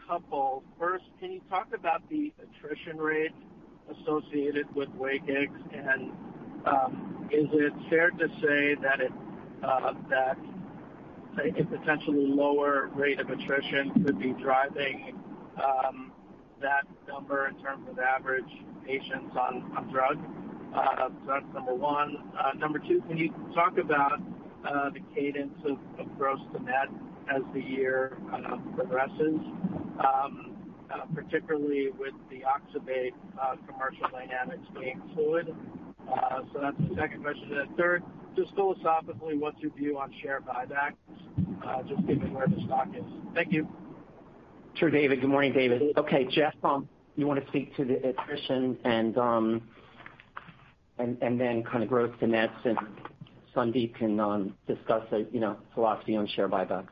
a couple. First, can you talk about the attrition rate associated with WAKIX? Is it fair to say that a potentially lower rate of attrition could be driving that number in terms of average patients on drug? That's number one. Number two, can you talk about the cadence of gross to net as the year progresses, particularly with the oxybate commercial dynamics being fluid? That's the second question. Third, just philosophically, what's your view on share buybacks, just given where the stock is? Thank you. Sure, David. Good morning, David. Okay, Jeff, you wanna speak to the attrition and then kind of growth to nets, and Sandip can discuss the, you know, philosophy on share buyback.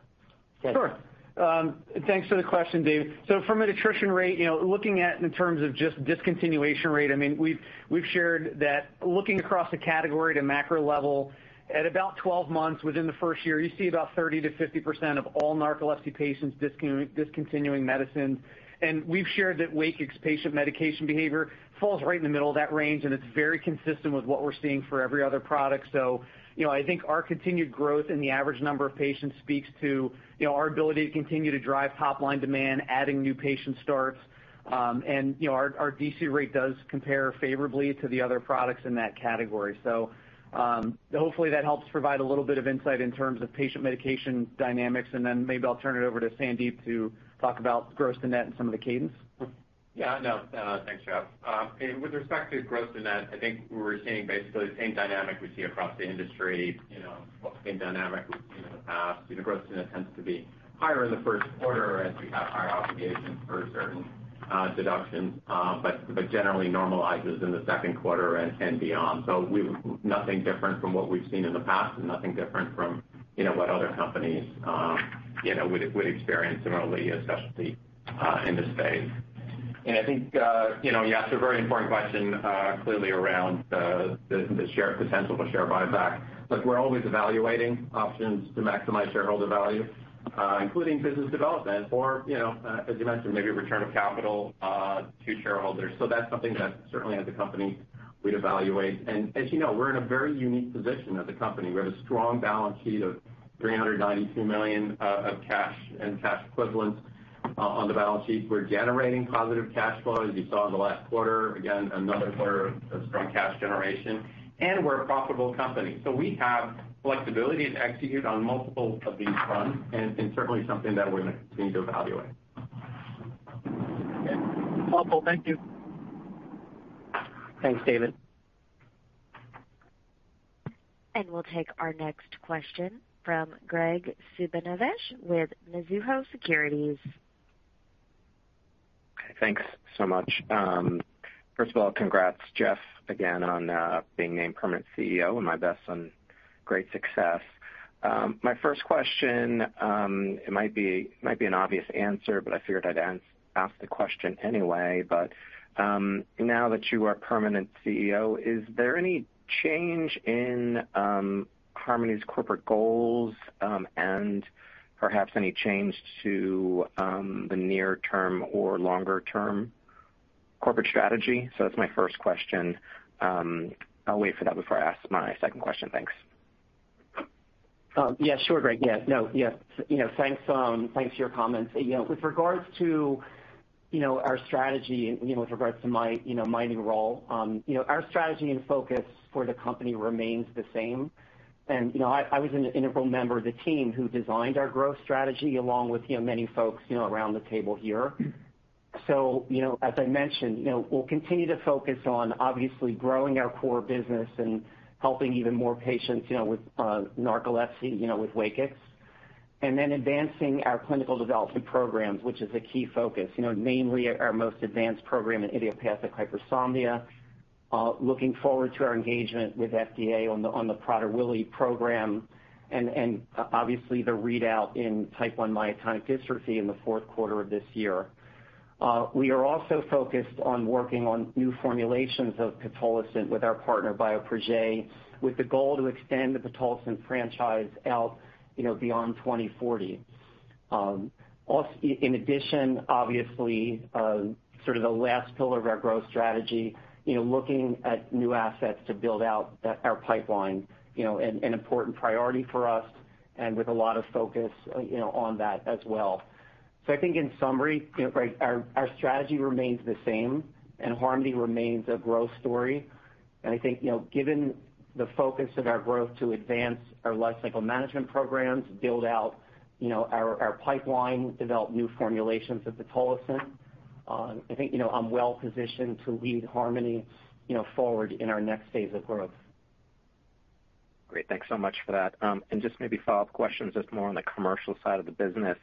Jeff? Sure. From an attrition rate, you know, looking at in terms of just discontinuation rate, I mean, we've shared that looking across the category at a macro level, at about 12 months within the first year, you see about 30%-50% of all narcolepsy patients discontinuing medicine. We've shared that WAKIX patient medication behavior falls right in the middle of that range, and it's very consistent with what we're seeing for every other product. I think our continued growth in the average number of patients speaks to, you know, our ability to continue to drive top-line demand, adding new patient starts. Our DC rate does compare favorably to the other products in that category. Hopefully that helps provide a little bit of insight in terms of patient medication dynamics. Maybe I'll turn it over to Sandip to talk about gross to net and some of the cadence. of the French pharma company that developed pitolisant and licensed it to Harmony Biosciences?** The French pharma company that developed pitolisant and licensed it to Harmony Biosciences is Bioprojet Look, we're always evaluating options to maximize shareholder value, including business development or, you know, as you mentioned, maybe return of capital to shareholders. That's something that certainly as a company we'd evaluate. As you know, we're in a very unique position as a company. We have a strong balance sheet of $392 million of cash and cash equivalents on the balance sheet. We're generating positive cash flow, as you saw in the last quarter, again, another quarter of strong cash generation, and we're a profitable company. We have flexibility to execute on multiple of these fronts and certainly something that we're gonna continue to evaluate. Okay. Helpful. Thank you. Thanks, David. We'll take our next question from Graig Suvannavejh with Mizuho Securities. Thanks so much. First of all, congrats, Jeff, again, on being named permanent CEO, and my best on great success. My first question, it might be an obvious answer, but I figured I'd ask the question anyway. Now that you are permanent CEO, is there any change in Harmony's corporate goals, and perhaps any change to the near term or longer term corporate strategy? That's my first question. I'll wait for that before I ask my second question. Thanks. Yeah, sure, Graig. Yeah. No, yeah. You know, thanks for your comments. You know, with regards to, you know, our strategy, you know, with regards to my, you know, my new role, you know, our strategy and focus for the company remains the same. You know, I was an integral member of the team who designed our growth strategy along with, you know, many folks, you know, around the table here. You know, as I mentioned, you know, we'll continue to focus on obviously growing our core business and helping even more patients, you know, with narcolepsy, you know, with WAKIX. Advancing our clinical development programs, which is a key focus. You know, mainly our most advanced program in idiopathic hypersomnia. Looking forward to our engagement with FDA on the Prader-Willi program and obviously the readout in type 1 myotonic dystrophy in the fourth quarter of this year. We are also focused on working on new formulations of pitolisant with our partner, Bioprojet, with the goal to extend the pitolisant franchise out, you know, beyond 2040. In addition, obviously, sort of the last pillar of our growth strategy, you know, looking at new assets to build out our pipeline, you know, an important priority for us and with a lot of focus, you know, on that as well. I think in summary, you know, Graig, our strategy remains the same, and Harmony remains a growth story. I think, you know, given the focus of our growth to advance our lifecycle management programs, build out, you know, our pipeline, develop new formulations of the pitolisant, I think, you know, I'm well positioned to lead Harmony, you know, forward in our next phase of growth. Great. Thanks so much for that. Just maybe follow-up questions, just more on the commercial side of the business.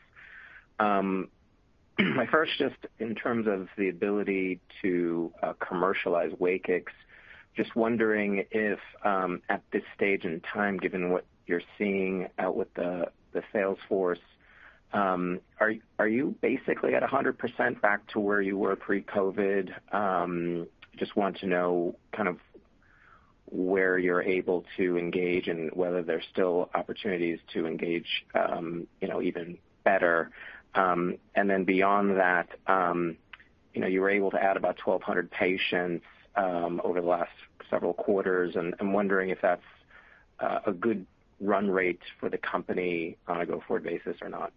My first just in terms of the ability to commercialize WAKIX, just wondering if at this stage in time, given what you're seeing out with the sales force, are you basically at 100% back to where you were pre-COVID? Just want to know kind of where you're able to engage and whether there's still opportunities to engage, you know, even better. Then beyond that, you know, you were able to add about 1,200 patients, over the last several quarters. I'm wondering if that's a good run rate for the company on a go-forward basis or not.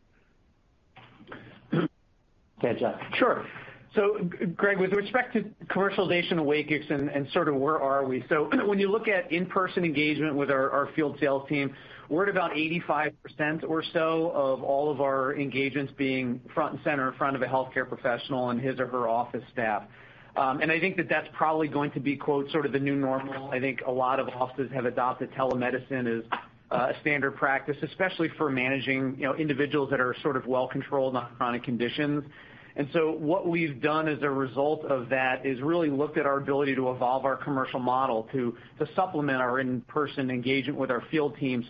Go ahead, Jeff. Sure. Greg, with respect to commercialization of WAKIX and sort of where are we? When you look at in-person engagement with our field sales team, we're at about 85% or so of all of our engagements being front and center in front of a healthcare professional and his or her office staff. I think that that's probably going to be, quote, "sort of the new normal." I think a lot of offices have adopted telemedicine as a standard practice, especially for managing, you know, individuals that are sort of well controlled on chronic conditions. What we've done as a result of that is really looked at our ability to evolve our commercial model to supplement our in-person engagement with our field team.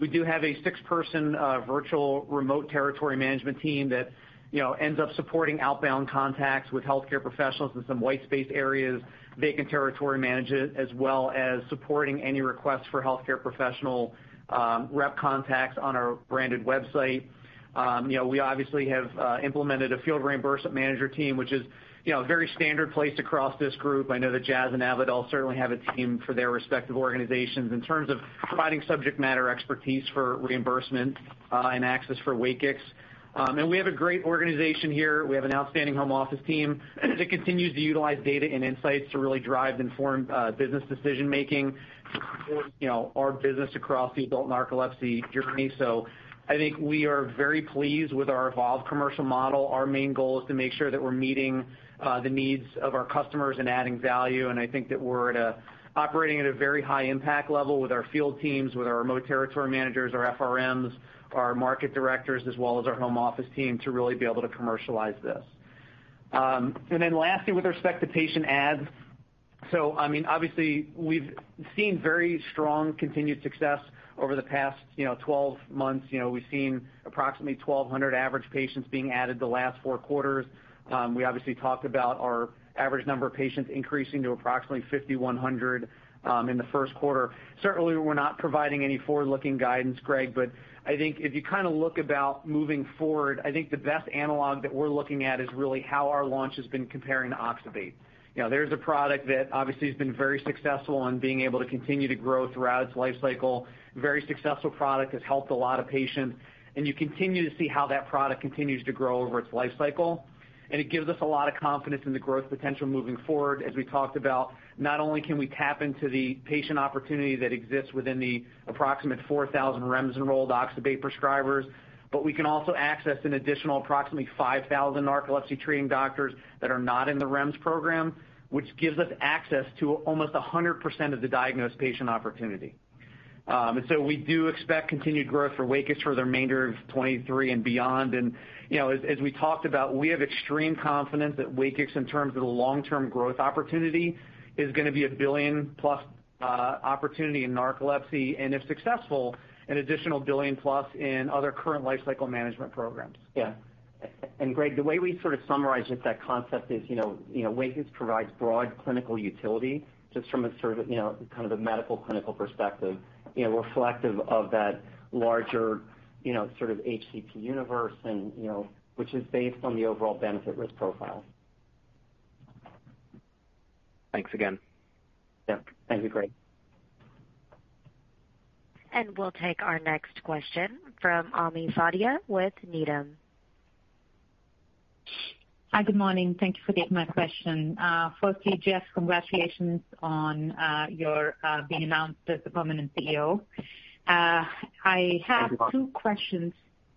We do have a 6-person, virtual remote territory management team that, you know, ends up supporting outbound contacts with healthcare professionals in some white space areas, vacant territory managers, as well as supporting any requests for healthcare professional rep contacts on our branded website. You know, we obviously have implemented a field reimbursement manager team, which is, you know, very standard placed across this group. I know that Jazz and Avadel certainly have a team for their respective organizations in terms of providing subject matter expertise for reimbursement and access for WAKIX. We have a great organization here. We have an outstanding home office team that continues to utilize data and insights to really drive informed business decision-making, you know, our business across the adult narcolepsy journey. I think we are very pleased with our evolved commercial model. Our main goal is to make sure that we're meeting the needs of our customers and adding value, and I think that we're operating at a very high impact level with our field teams, with our remote territory managers, our FRMs, our market directors, as well as our home office team, to really be able to commercialize this. Lastly, with respect to patient adds, I mean, obviously, we've seen very strong continued success over the past, you know, 12 months. You know, we've seen approximately 1,200 average patients being added the last four quarters. We obviously talked about our average number of patients increasing to approximately 5,100 in the first quarter. Certainly, we're not providing any forward-looking guidance, Graig, but I think if you kind of look about moving forward, I think the best analog that we're looking at is really how our launch has been comparing to oxybate. You know, there's a product that obviously has been very successful on being able to continue to grow throughout its life cycle. Very successful product, has helped a lot of patients, and you continue to see how that product continues to grow over its life cycle. It gives us a lot of confidence in the growth potential moving forward. As we talked about, not only can we tap into the patient opportunity that exists within the approximate 4,000 REMS enrolled oxybate prescribers, but we can also access an additional approximately 5,000 narcolepsy treating doctors that are not in the REMS program, which gives us access to almost 100% of the diagnosed patient opportunity. We do expect continued growth for WAKIX for the remainder of 2023 and beyond. You know, as we talked about, we have extreme confidence that WAKIX, in terms of the long-term growth opportunity, is gonna be a $1 billion-plus opportunity in narcolepsy, and if successful, an additional $1 billion-plus in other current lifecycle management programs. Yeah. Graig, the way we sort of summarize just that concept is, you know, WAKIX provides broad clinical utility just from a sort of, you know, kind of a medical clinical perspective, you know, reflective of that larger, you know, sort of HCP universe, you know, which is based on the overall benefit risk profile. Thanks again. Yeah. Thank you, Graig. We'll take our next question from Ami Fadia with Needham. Hi. Good morning. Thank you for taking my question. Firstly, Jeff, congratulations on your being announced as the permanent CEO. I have two questions.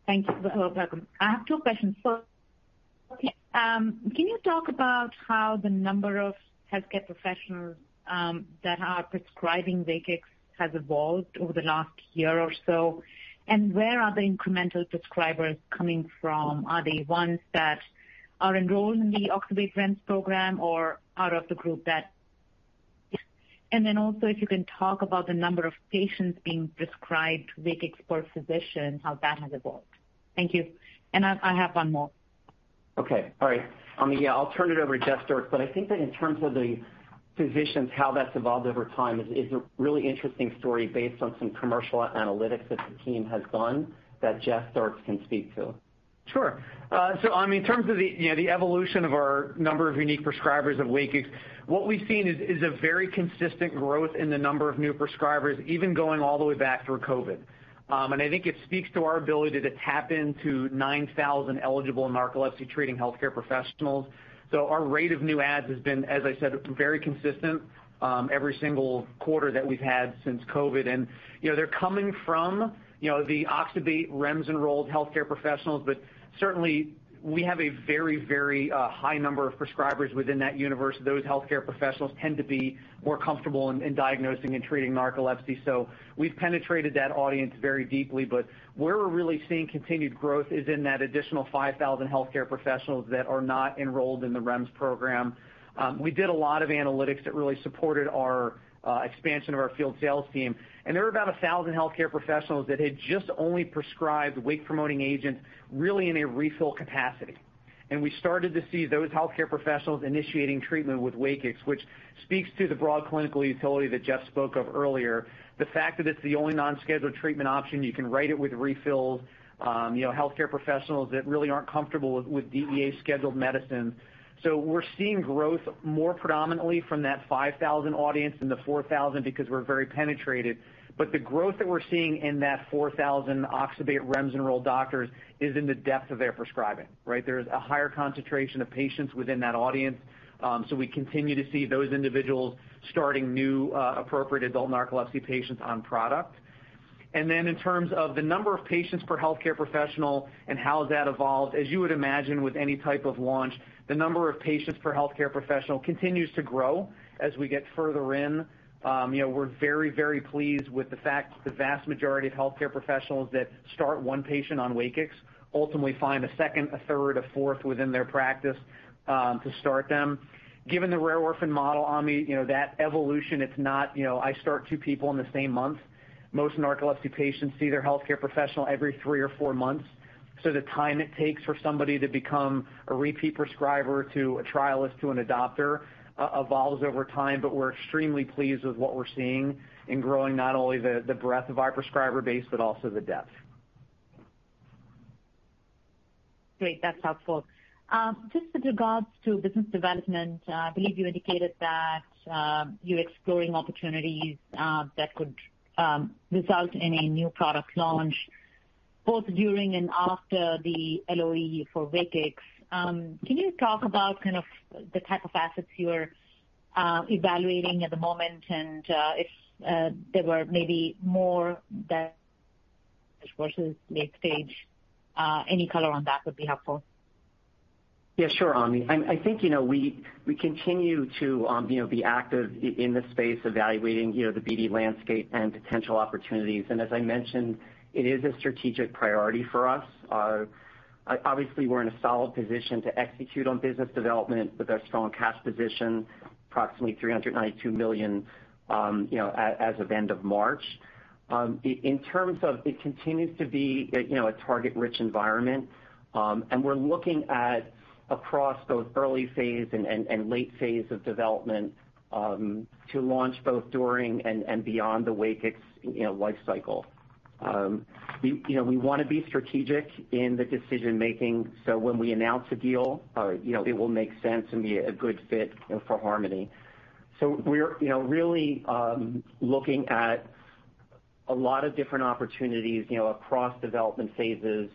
Thank you. Thank you. You're welcome. I have two questions. First, can you talk about how the number of healthcare professionals that are prescribing WAKIX has evolved over the last year or so? Where are the incremental prescribers coming from? Are they ones that are enrolled in the oxybate REMS program or out of the group? Also, if you can talk about the number of patients being prescribed WAKIX per physician, how that has evolved? Thank you. I have one more. Okay. All right. Ami, yeah, I'll turn it over to Jeffrey Dierks, but I think that in terms of the physicians, how that's evolved over time is a really interesting story based on some commercial analytics that the team has done that Jeffrey Dierks can speak to. Sure. Ami, in terms of the, you know, the evolution of our number of unique prescribers of WAKIX, what we've seen is a very consistent growth in the number of new prescribers, even going all the way back through COVID. I think it speaks to our ability to tap into 9,000 eligible narcolepsy treating healthcare professionals. So our rate of new adds has been, as I said, very consistent, every single quarter that we've had since COVID. You know, they're coming from, you know, the oxybate REMS enrolled healthcare professionals. Certainly we have a very, very high number of prescribers within that universe. Those healthcare professionals tend to be more comfortable in diagnosing and treating narcolepsy. We've penetrated that audience very deeply, but where we're really seeing continued growth is in that additional 5,000 healthcare professionals that are not enrolled in the REMS program. We did a lot of analytics that really supported our expansion of our field sales team, and there were about 1,000 healthcare professionals that had just only prescribed wake-promoting agents really in a refill capacity. We started to see those healthcare professionals initiating treatment with WAKIX, which speaks to the broad clinical utility that Jeff spoke of earlier. The fact that it's the only non-scheduled treatment option, you can write it with refills, you know, healthcare professionals that really aren't comfortable with DEA scheduled medicine. We're seeing growth more predominantly from that 5,000 audience than the 4,000 because we're very penetrated. The growth that we're seeing in that 4,000 oxybate REMS enrolled doctors is in the depth of their prescribing, right? There's a higher concentration of patients within that audience. We continue to see those individuals starting new, appropriate adult narcolepsy patients on product. In terms of the number of patients per healthcare professional and how has that evolved, as you would imagine with any type of launch, the number of patients per healthcare professional continues to grow as we get further in. You know, we're very, very pleased with the fact the vast majority of healthcare professionals that start one patient on WAKIX ultimately find a second, a third, a fourth within their practice to start them. Given the rare orphan model, Ami, you know, that evolution, it's not, you know, I start two people in the same month. Most narcolepsy patients see their healthcare professional every three or four months. The time it takes for somebody to become a repeat prescriber to a trialist to an adopter evolves over time. But we're extremely pleased with what we're seeing in growing not only the breadth of our prescriber base but also the depth. Great. That's helpful. Just with regards to business development, I believe you indicated that you're exploring opportunities that could result in a new product launch both during and after the LOE for WAKIX. Can you talk about kind of the type of assets you are evaluating at the moment and if there were maybe more that versus late stage? Any color on that would be helpful. Yeah, sure, Ami. I think, you know, we continue to, you know, be active in the space evaluating, you know, the BD landscape and potential opportunities. As I mentioned, it is a strategic priority for us. Obviously, we're in a solid position to execute on business development with our strong cash position, approximately $392 million, you know, as of end of March. In terms of it continues to be a, you know, a target-rich environment, we're looking at across both early phase and late phase of development, to launch both during and beyond the WAKIX, you know, life cycle. We, you know, we wanna be strategic in the decision-making, when we announce a deal, you know, it will make sense and be a good fit, you know, for Harmony. We're, you know, really, looking at a lot of different opportunities, you know, across development phases,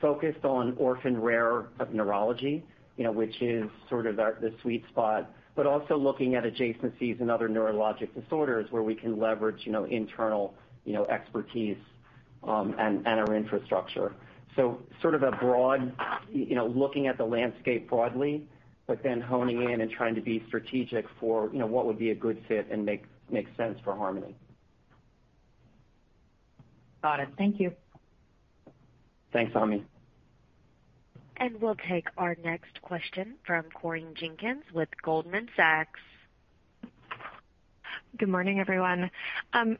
focused on orphan rare of neurology, you know, which is sort of our, the sweet spot. Also looking at adjacencies and other neurologic disorders where we can leverage, you know, internal, you know, expertise, and our infrastructure. Sort of a broad, you know, looking at the landscape broadly, but then honing in and trying to be strategic for, you know, what would be a good fit and make sense for Harmony. Got it. Thank you. Thanks, Ami. We'll take our next question from Corinne Johnson with Goldman Sachs. Good morning, everyone.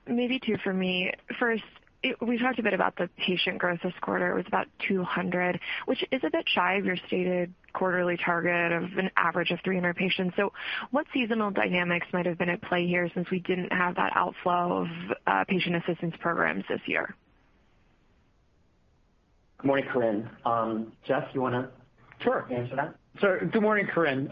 Maybe two for me. First, we talked a bit about the patient growth this quarter. It was about 200, which is a bit shy of your stated quarterly target of an average of 300 patients. What seasonal dynamics might have been at play here since we didn't have that outflow of patient assistance programs this year? Good morning, Corinne. Jeff. Sure. answer that? Good morning, Corinne.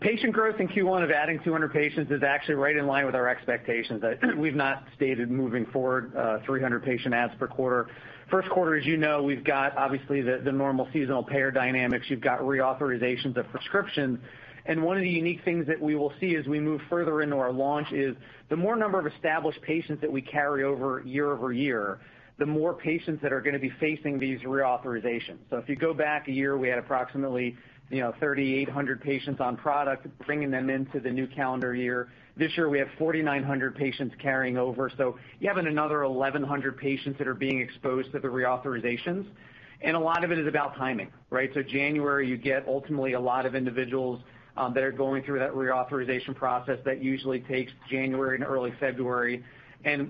Patient growth in Q1 of adding 200 patients is actually right in line with our expectations. We've not stated moving forward, 300 patient adds per quarter. First quarter, as you know, we've got obviously the normal seasonal payer dynamics. You've got reauthorizations of prescription. One of the unique things that we will see as we move further into our launch is the more number of established patients that we carry over year-over-year, the more patients that are gonna be facing these reauthorizations. If you go back a year, we had approximately, you know, 3,800 patients on product, bringing them into the new calendar year. This year we have 4,900 patients carrying over. You're having another 1,100 patients that are being exposed to the reauthorizations, and a lot of it is about timing, right? January, you get ultimately a lot of individuals that are going through that reauthorization process that usually takes January and early February.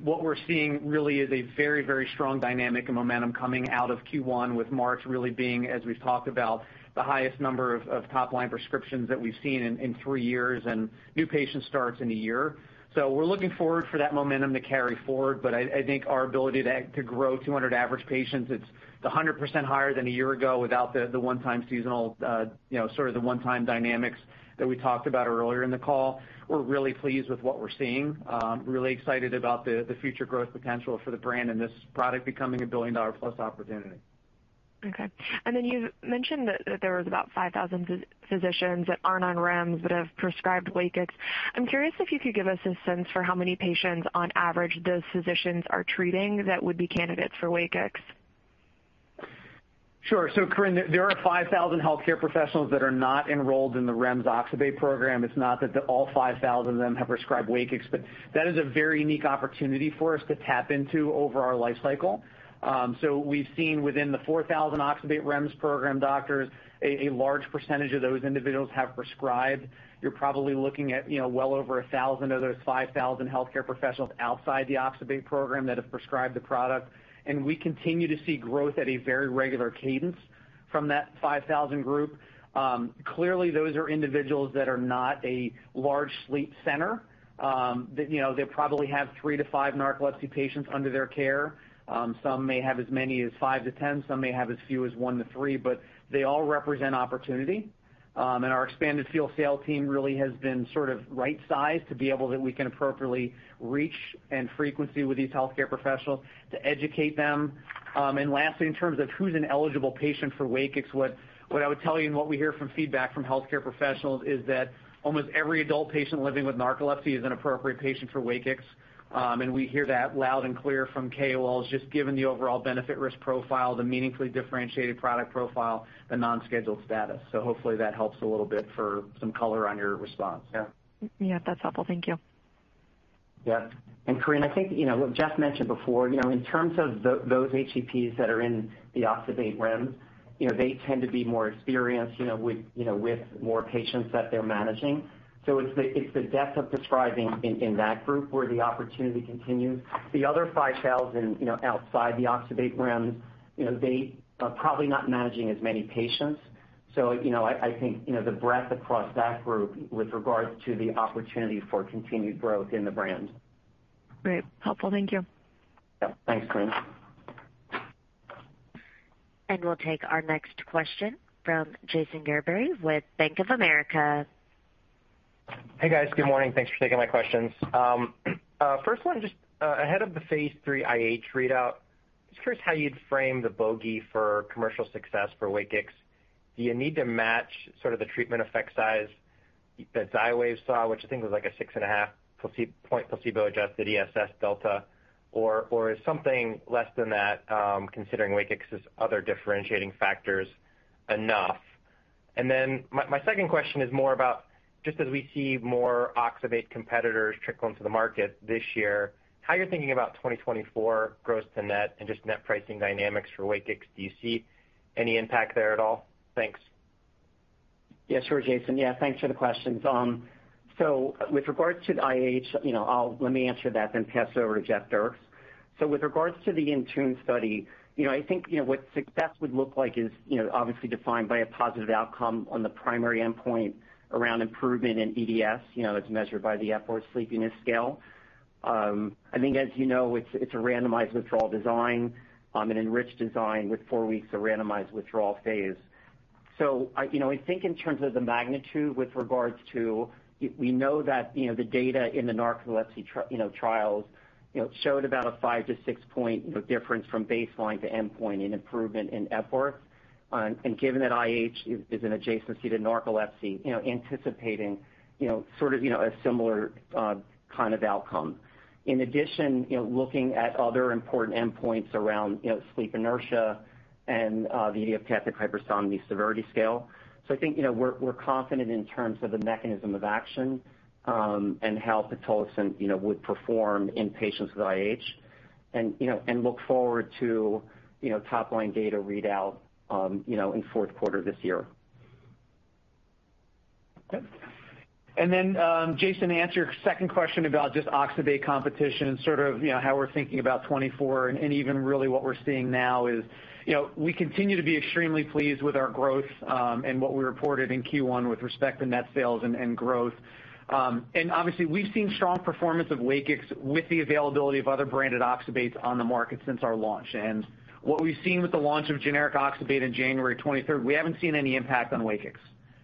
What we're seeing really is a very, very strong dynamic and momentum coming out of Q1 with March really being, as we've talked about, the highest number of top line prescriptions that we've seen in 3 years and new patient starts in a year. We're looking forward for that momentum to carry forward. I think our ability to grow 200 average patients, it's the 100% higher than a year ago without the one-time seasonal, you know, sort of the one-time dynamics that we talked about earlier in the call. We're really pleased with what we're seeing. Really excited about the future growth potential for the brand and this product becoming a billion-dollar-plus opportunity. Okay. Then you mentioned that there was about 5,000 physicians that aren't on REMS that have prescribed WAKIX. I'm curious if you could give us a sense for how many patients on average those physicians are treating that would be candidates for WAKIX. Sure. Corinne, there are 5,000 healthcare professionals that are not enrolled in the REMS oxybate program. It's not that the all 5,000 of them have prescribed WAKIX, but that is a very unique opportunity for us to tap into over our life cycle. We've seen within the 4,000 oxybate REMS program doctors a large percentage of those individuals have prescribed. You're probably looking at, you know, well over 1,000 of those 5,000 healthcare professionals outside the oxybate program that have prescribed the product. We continue to see growth at a very regular cadence from that 5,000 group. Clearly those are individuals that are not a large sleep center. That, you know, they probably have 3-5 narcolepsy patients under their care. Some may have as many as 5-10, some may have as few as 1-3, but they all represent opportunity. Our expanded field sales team really has been sort of right-sized to be able that we can appropriately reach and frequency with these healthcare professionals to educate them. Lastly, in terms of who's an eligible patient for WAKIX, what I would tell you and what we hear from feedback from healthcare professionals is that almost every adult patient living with narcolepsy is an appropriate patient for WAKIX. We hear that loud and clear from KOLs, just given the overall benefit-risk profile, the meaningfully differentiated product profile, the non-scheduled status. Hopefully that helps a little bit for some color on your response. Yeah. Yeah, that's helpful. Thank you. Yeah. Corinne, I think, you know, Jeff Dierks mentioned before, you know, in terms of those HCPs that are in the oxybate REMS, you know, they tend to be more experienced, you know, with, you know, with more patients that they're managing. It's the depth of prescribing in that group where the opportunity continues. The other 5,000, you know, outside the oxybate REMS, you know, they are probably not managing as many patients. I think, you know, the breadth across that group with regards to the opportunity for continued growth in the brand. Great. Helpful. Thank you. Yeah, thanks, Corinne. We'll take our next question from Jason Gerberry with Bank of America. Hey, guys. Good morning. Thanks for taking my questions. First one, just ahead of the phase III IH readout, just curious how you'd frame the bogey for commercial success for WAKIX. Do you need to match sort of the treatment effect size that Xywav saw, which I think was like a 6.5 placebo point placebo-adjusted ESS delta, or is something less than that, considering WAKIX's other differentiating factors enough? My second question is more about just as we see more oxybate competitors trickle into the market this year, how you're thinking about 2024 gross to net and just net pricing dynamics for WAKIX. Do you see any impact there at all? Thanks. Yeah, sure, Jason. Yeah, thanks for the questions. With regards to the IH, you know, let me answer that then pass over to Jeff Dirks. With regards to the INTUNE study, you know, I think, you know, what success would look like is, you know, obviously defined by a positive outcome on the primary endpoint around improvement in EDS, you know, that's measured by the Epworth Sleepiness Scale. I think as you know, it's a randomized withdrawal design, an enriched design with four weeks of randomized withdrawal phase. I, you know, I think in terms of the magnitude with regards to. We know that, you know, the data in the narcolepsy, you know, trials, you know, showed about a 5-6 point, you know, difference from baseline to endpoint in improvement in Epworth. Given that IH is an adjacency to narcolepsy, you know, anticipating, you know, sort of, you know, a similar, kind of outcome. In addition, you know, looking at other important endpoints around, you know, sleep inertia and, the Idiopathic Hypersomnia Severity Scale. I think, you know, we're confident in terms of the mechanism of action, and how pitolisant, you know, would perform in patients with IH and, you know, and look forward to, you know, top-line data readout, you know, in fourth quarter this year. Okay. Then, Jason, to answer your second question about just oxybate competition and sort of, how we're thinking about 2024 and even really what we're seeing now is, we continue to be extremely pleased with our growth, and what we reported in Q1 with respect to net sales and growth. Obviously, we've seen strong performance of WAKIX with the availability of other branded oxybates on the market since our launch. What we've seen with the launch of generic oxybate in January 23rd, we haven't seen any impact on WAKIX,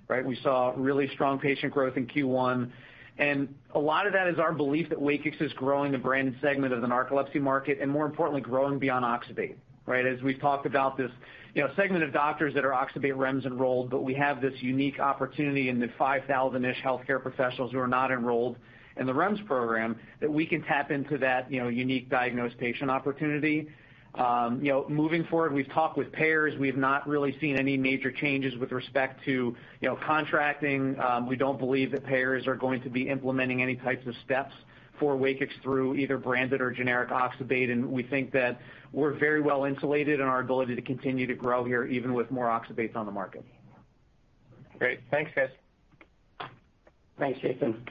right? We saw really strong patient growth in Q1, and a lot of that is our belief that WAKIX is growing the branded segment of the narcolepsy market, and more importantly, growing beyond oxybate, right? As we've talked about this, you know, segment of doctors that are oxybate REMS enrolled, but we have this unique opportunity in the 5,000-ish healthcare professionals who are not enrolled in the REMS program that we can tap into that, you know, unique diagnosed patient opportunity. You know, moving forward, we've talked with payers. We've not really seen any major changes with respect to, you know, contracting. We don't believe that payers are going to be implementing any types of steps for WAKIX through either branded or generic oxybate. We think that we're very well insulated in our ability to continue to grow here, even with more oxybates on the market. Great. Thanks, guys. Thanks, Jason.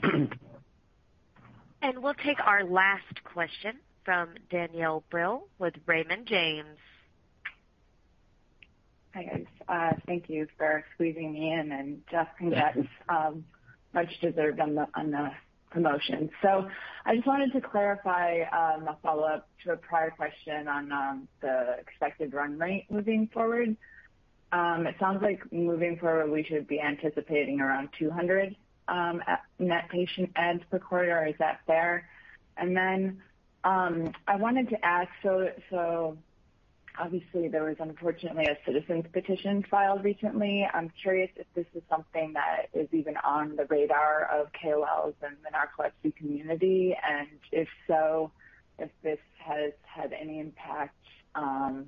We'll take our last question from Danielle Brill with Raymond James. Hi, guys. Thank you for squeezing me in. Jeff, congrats, much deserved on the promotion. I just wanted to clarify, a follow-up to a prior question on the expected run rate moving forward. It sounds like moving forward, we should be anticipating around 200 at net patient adds per quarter. Is that fair? I wanted to ask, so obviously there was unfortunately a citizen petition filed recently. I'm curious if this is something that is even on the radar of KOLs and the narcolepsy community, and if so, if this has had any impact on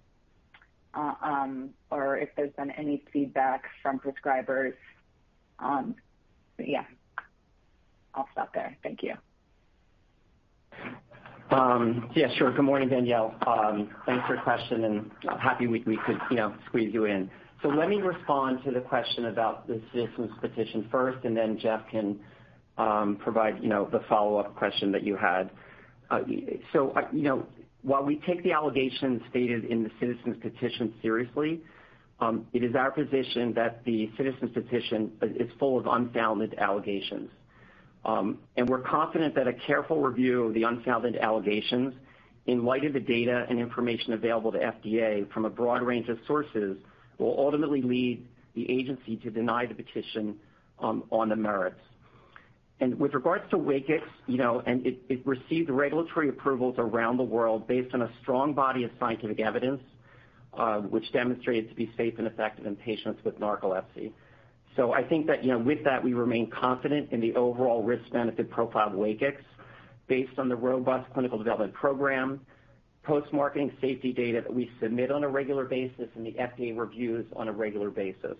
or if there's been any feedback from prescribers. Yeah. I'll stop there. Thank you. Yeah, sure. Good morning, Danielle. Thanks for your question, and I'm happy we could, you know, squeeze you in. Let me respond to the question about the citizen petition first, and then Jeff can provide, you know, the follow-up question that you had. You know, while we take the allegations stated in the citizen petition seriously, it is our position that the citizen petition is full of unfounded allegations. We're confident that a careful review of the unfounded allegations in light of the data and information available to FDA from a broad range of sources, will ultimately lead the agency to deny the petition on the merits. With regards to WAKIX, you know, and it received regulatory approvals around the world based on a strong body of scientific evidence, which demonstrated to be safe and effective in patients with narcolepsy. I think that, you know, with that, we remain confident in the overall risk/benefit profile of WAKIX based on the robust clinical development program, post-marketing safety data that we submit on a regular basis and the FDA reviews on a regular basis.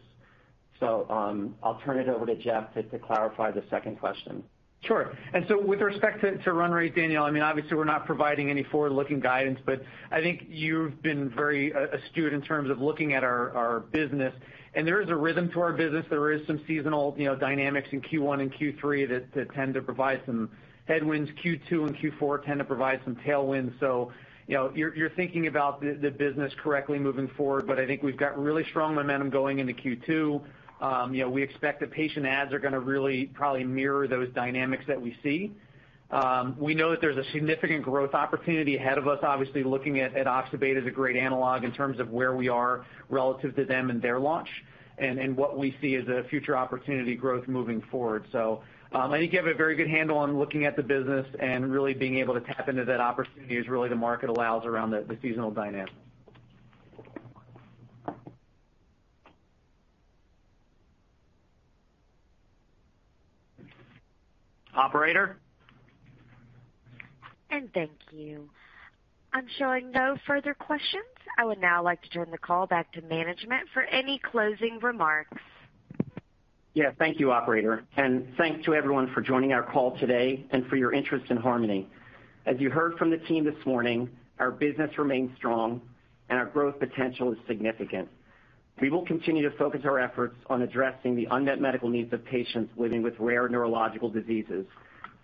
I'll turn it over to Jeff to clarify the second question. Sure. With respect to run rate, Danielle, I mean, obviously we're not providing any forward-looking guidance, but I think you've been very astute in terms of looking at our business. There is a rhythm to our business. There is some seasonal, you know, dynamics in Q1 and Q3 that tend to provide some headwinds. Q2 and Q4 tend to provide some tailwinds. You know, you're thinking about the business correctly moving forward, but I think we've got really strong momentum going into Q2. You know, we expect that patient adds are gonna really probably mirror those dynamics that we see. We know that there's a significant growth opportunity ahead of us, obviously looking at oxybate as a great analog in terms of where we are relative to them and their launch and what we see as a future opportunity growth moving forward. I think you have a very good handle on looking at the business and really being able to tap into that opportunity as really the market allows around the seasonal dynamic. Operator? Thank you. I'm showing no further questions. I would now like to turn the call back to management for any closing remarks. Yeah, thank you, operator, and thanks to everyone for joining our call today and for your interest in Harmony. As you heard from the team this morning, our business remains strong, and our growth potential is significant. We will continue to focus our efforts on addressing the unmet medical needs of patients living with rare neurological diseases.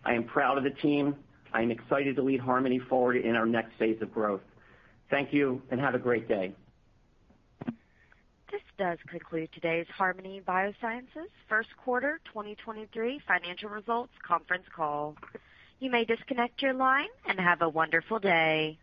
I am proud of the team. I am excited to lead Harmony forward in our next phase of growth. Thank you. Have a great day. This does conclude today's Harmony Biosciences first quarter 2023 financial results conference call. You may disconnect your line and have a wonderful day.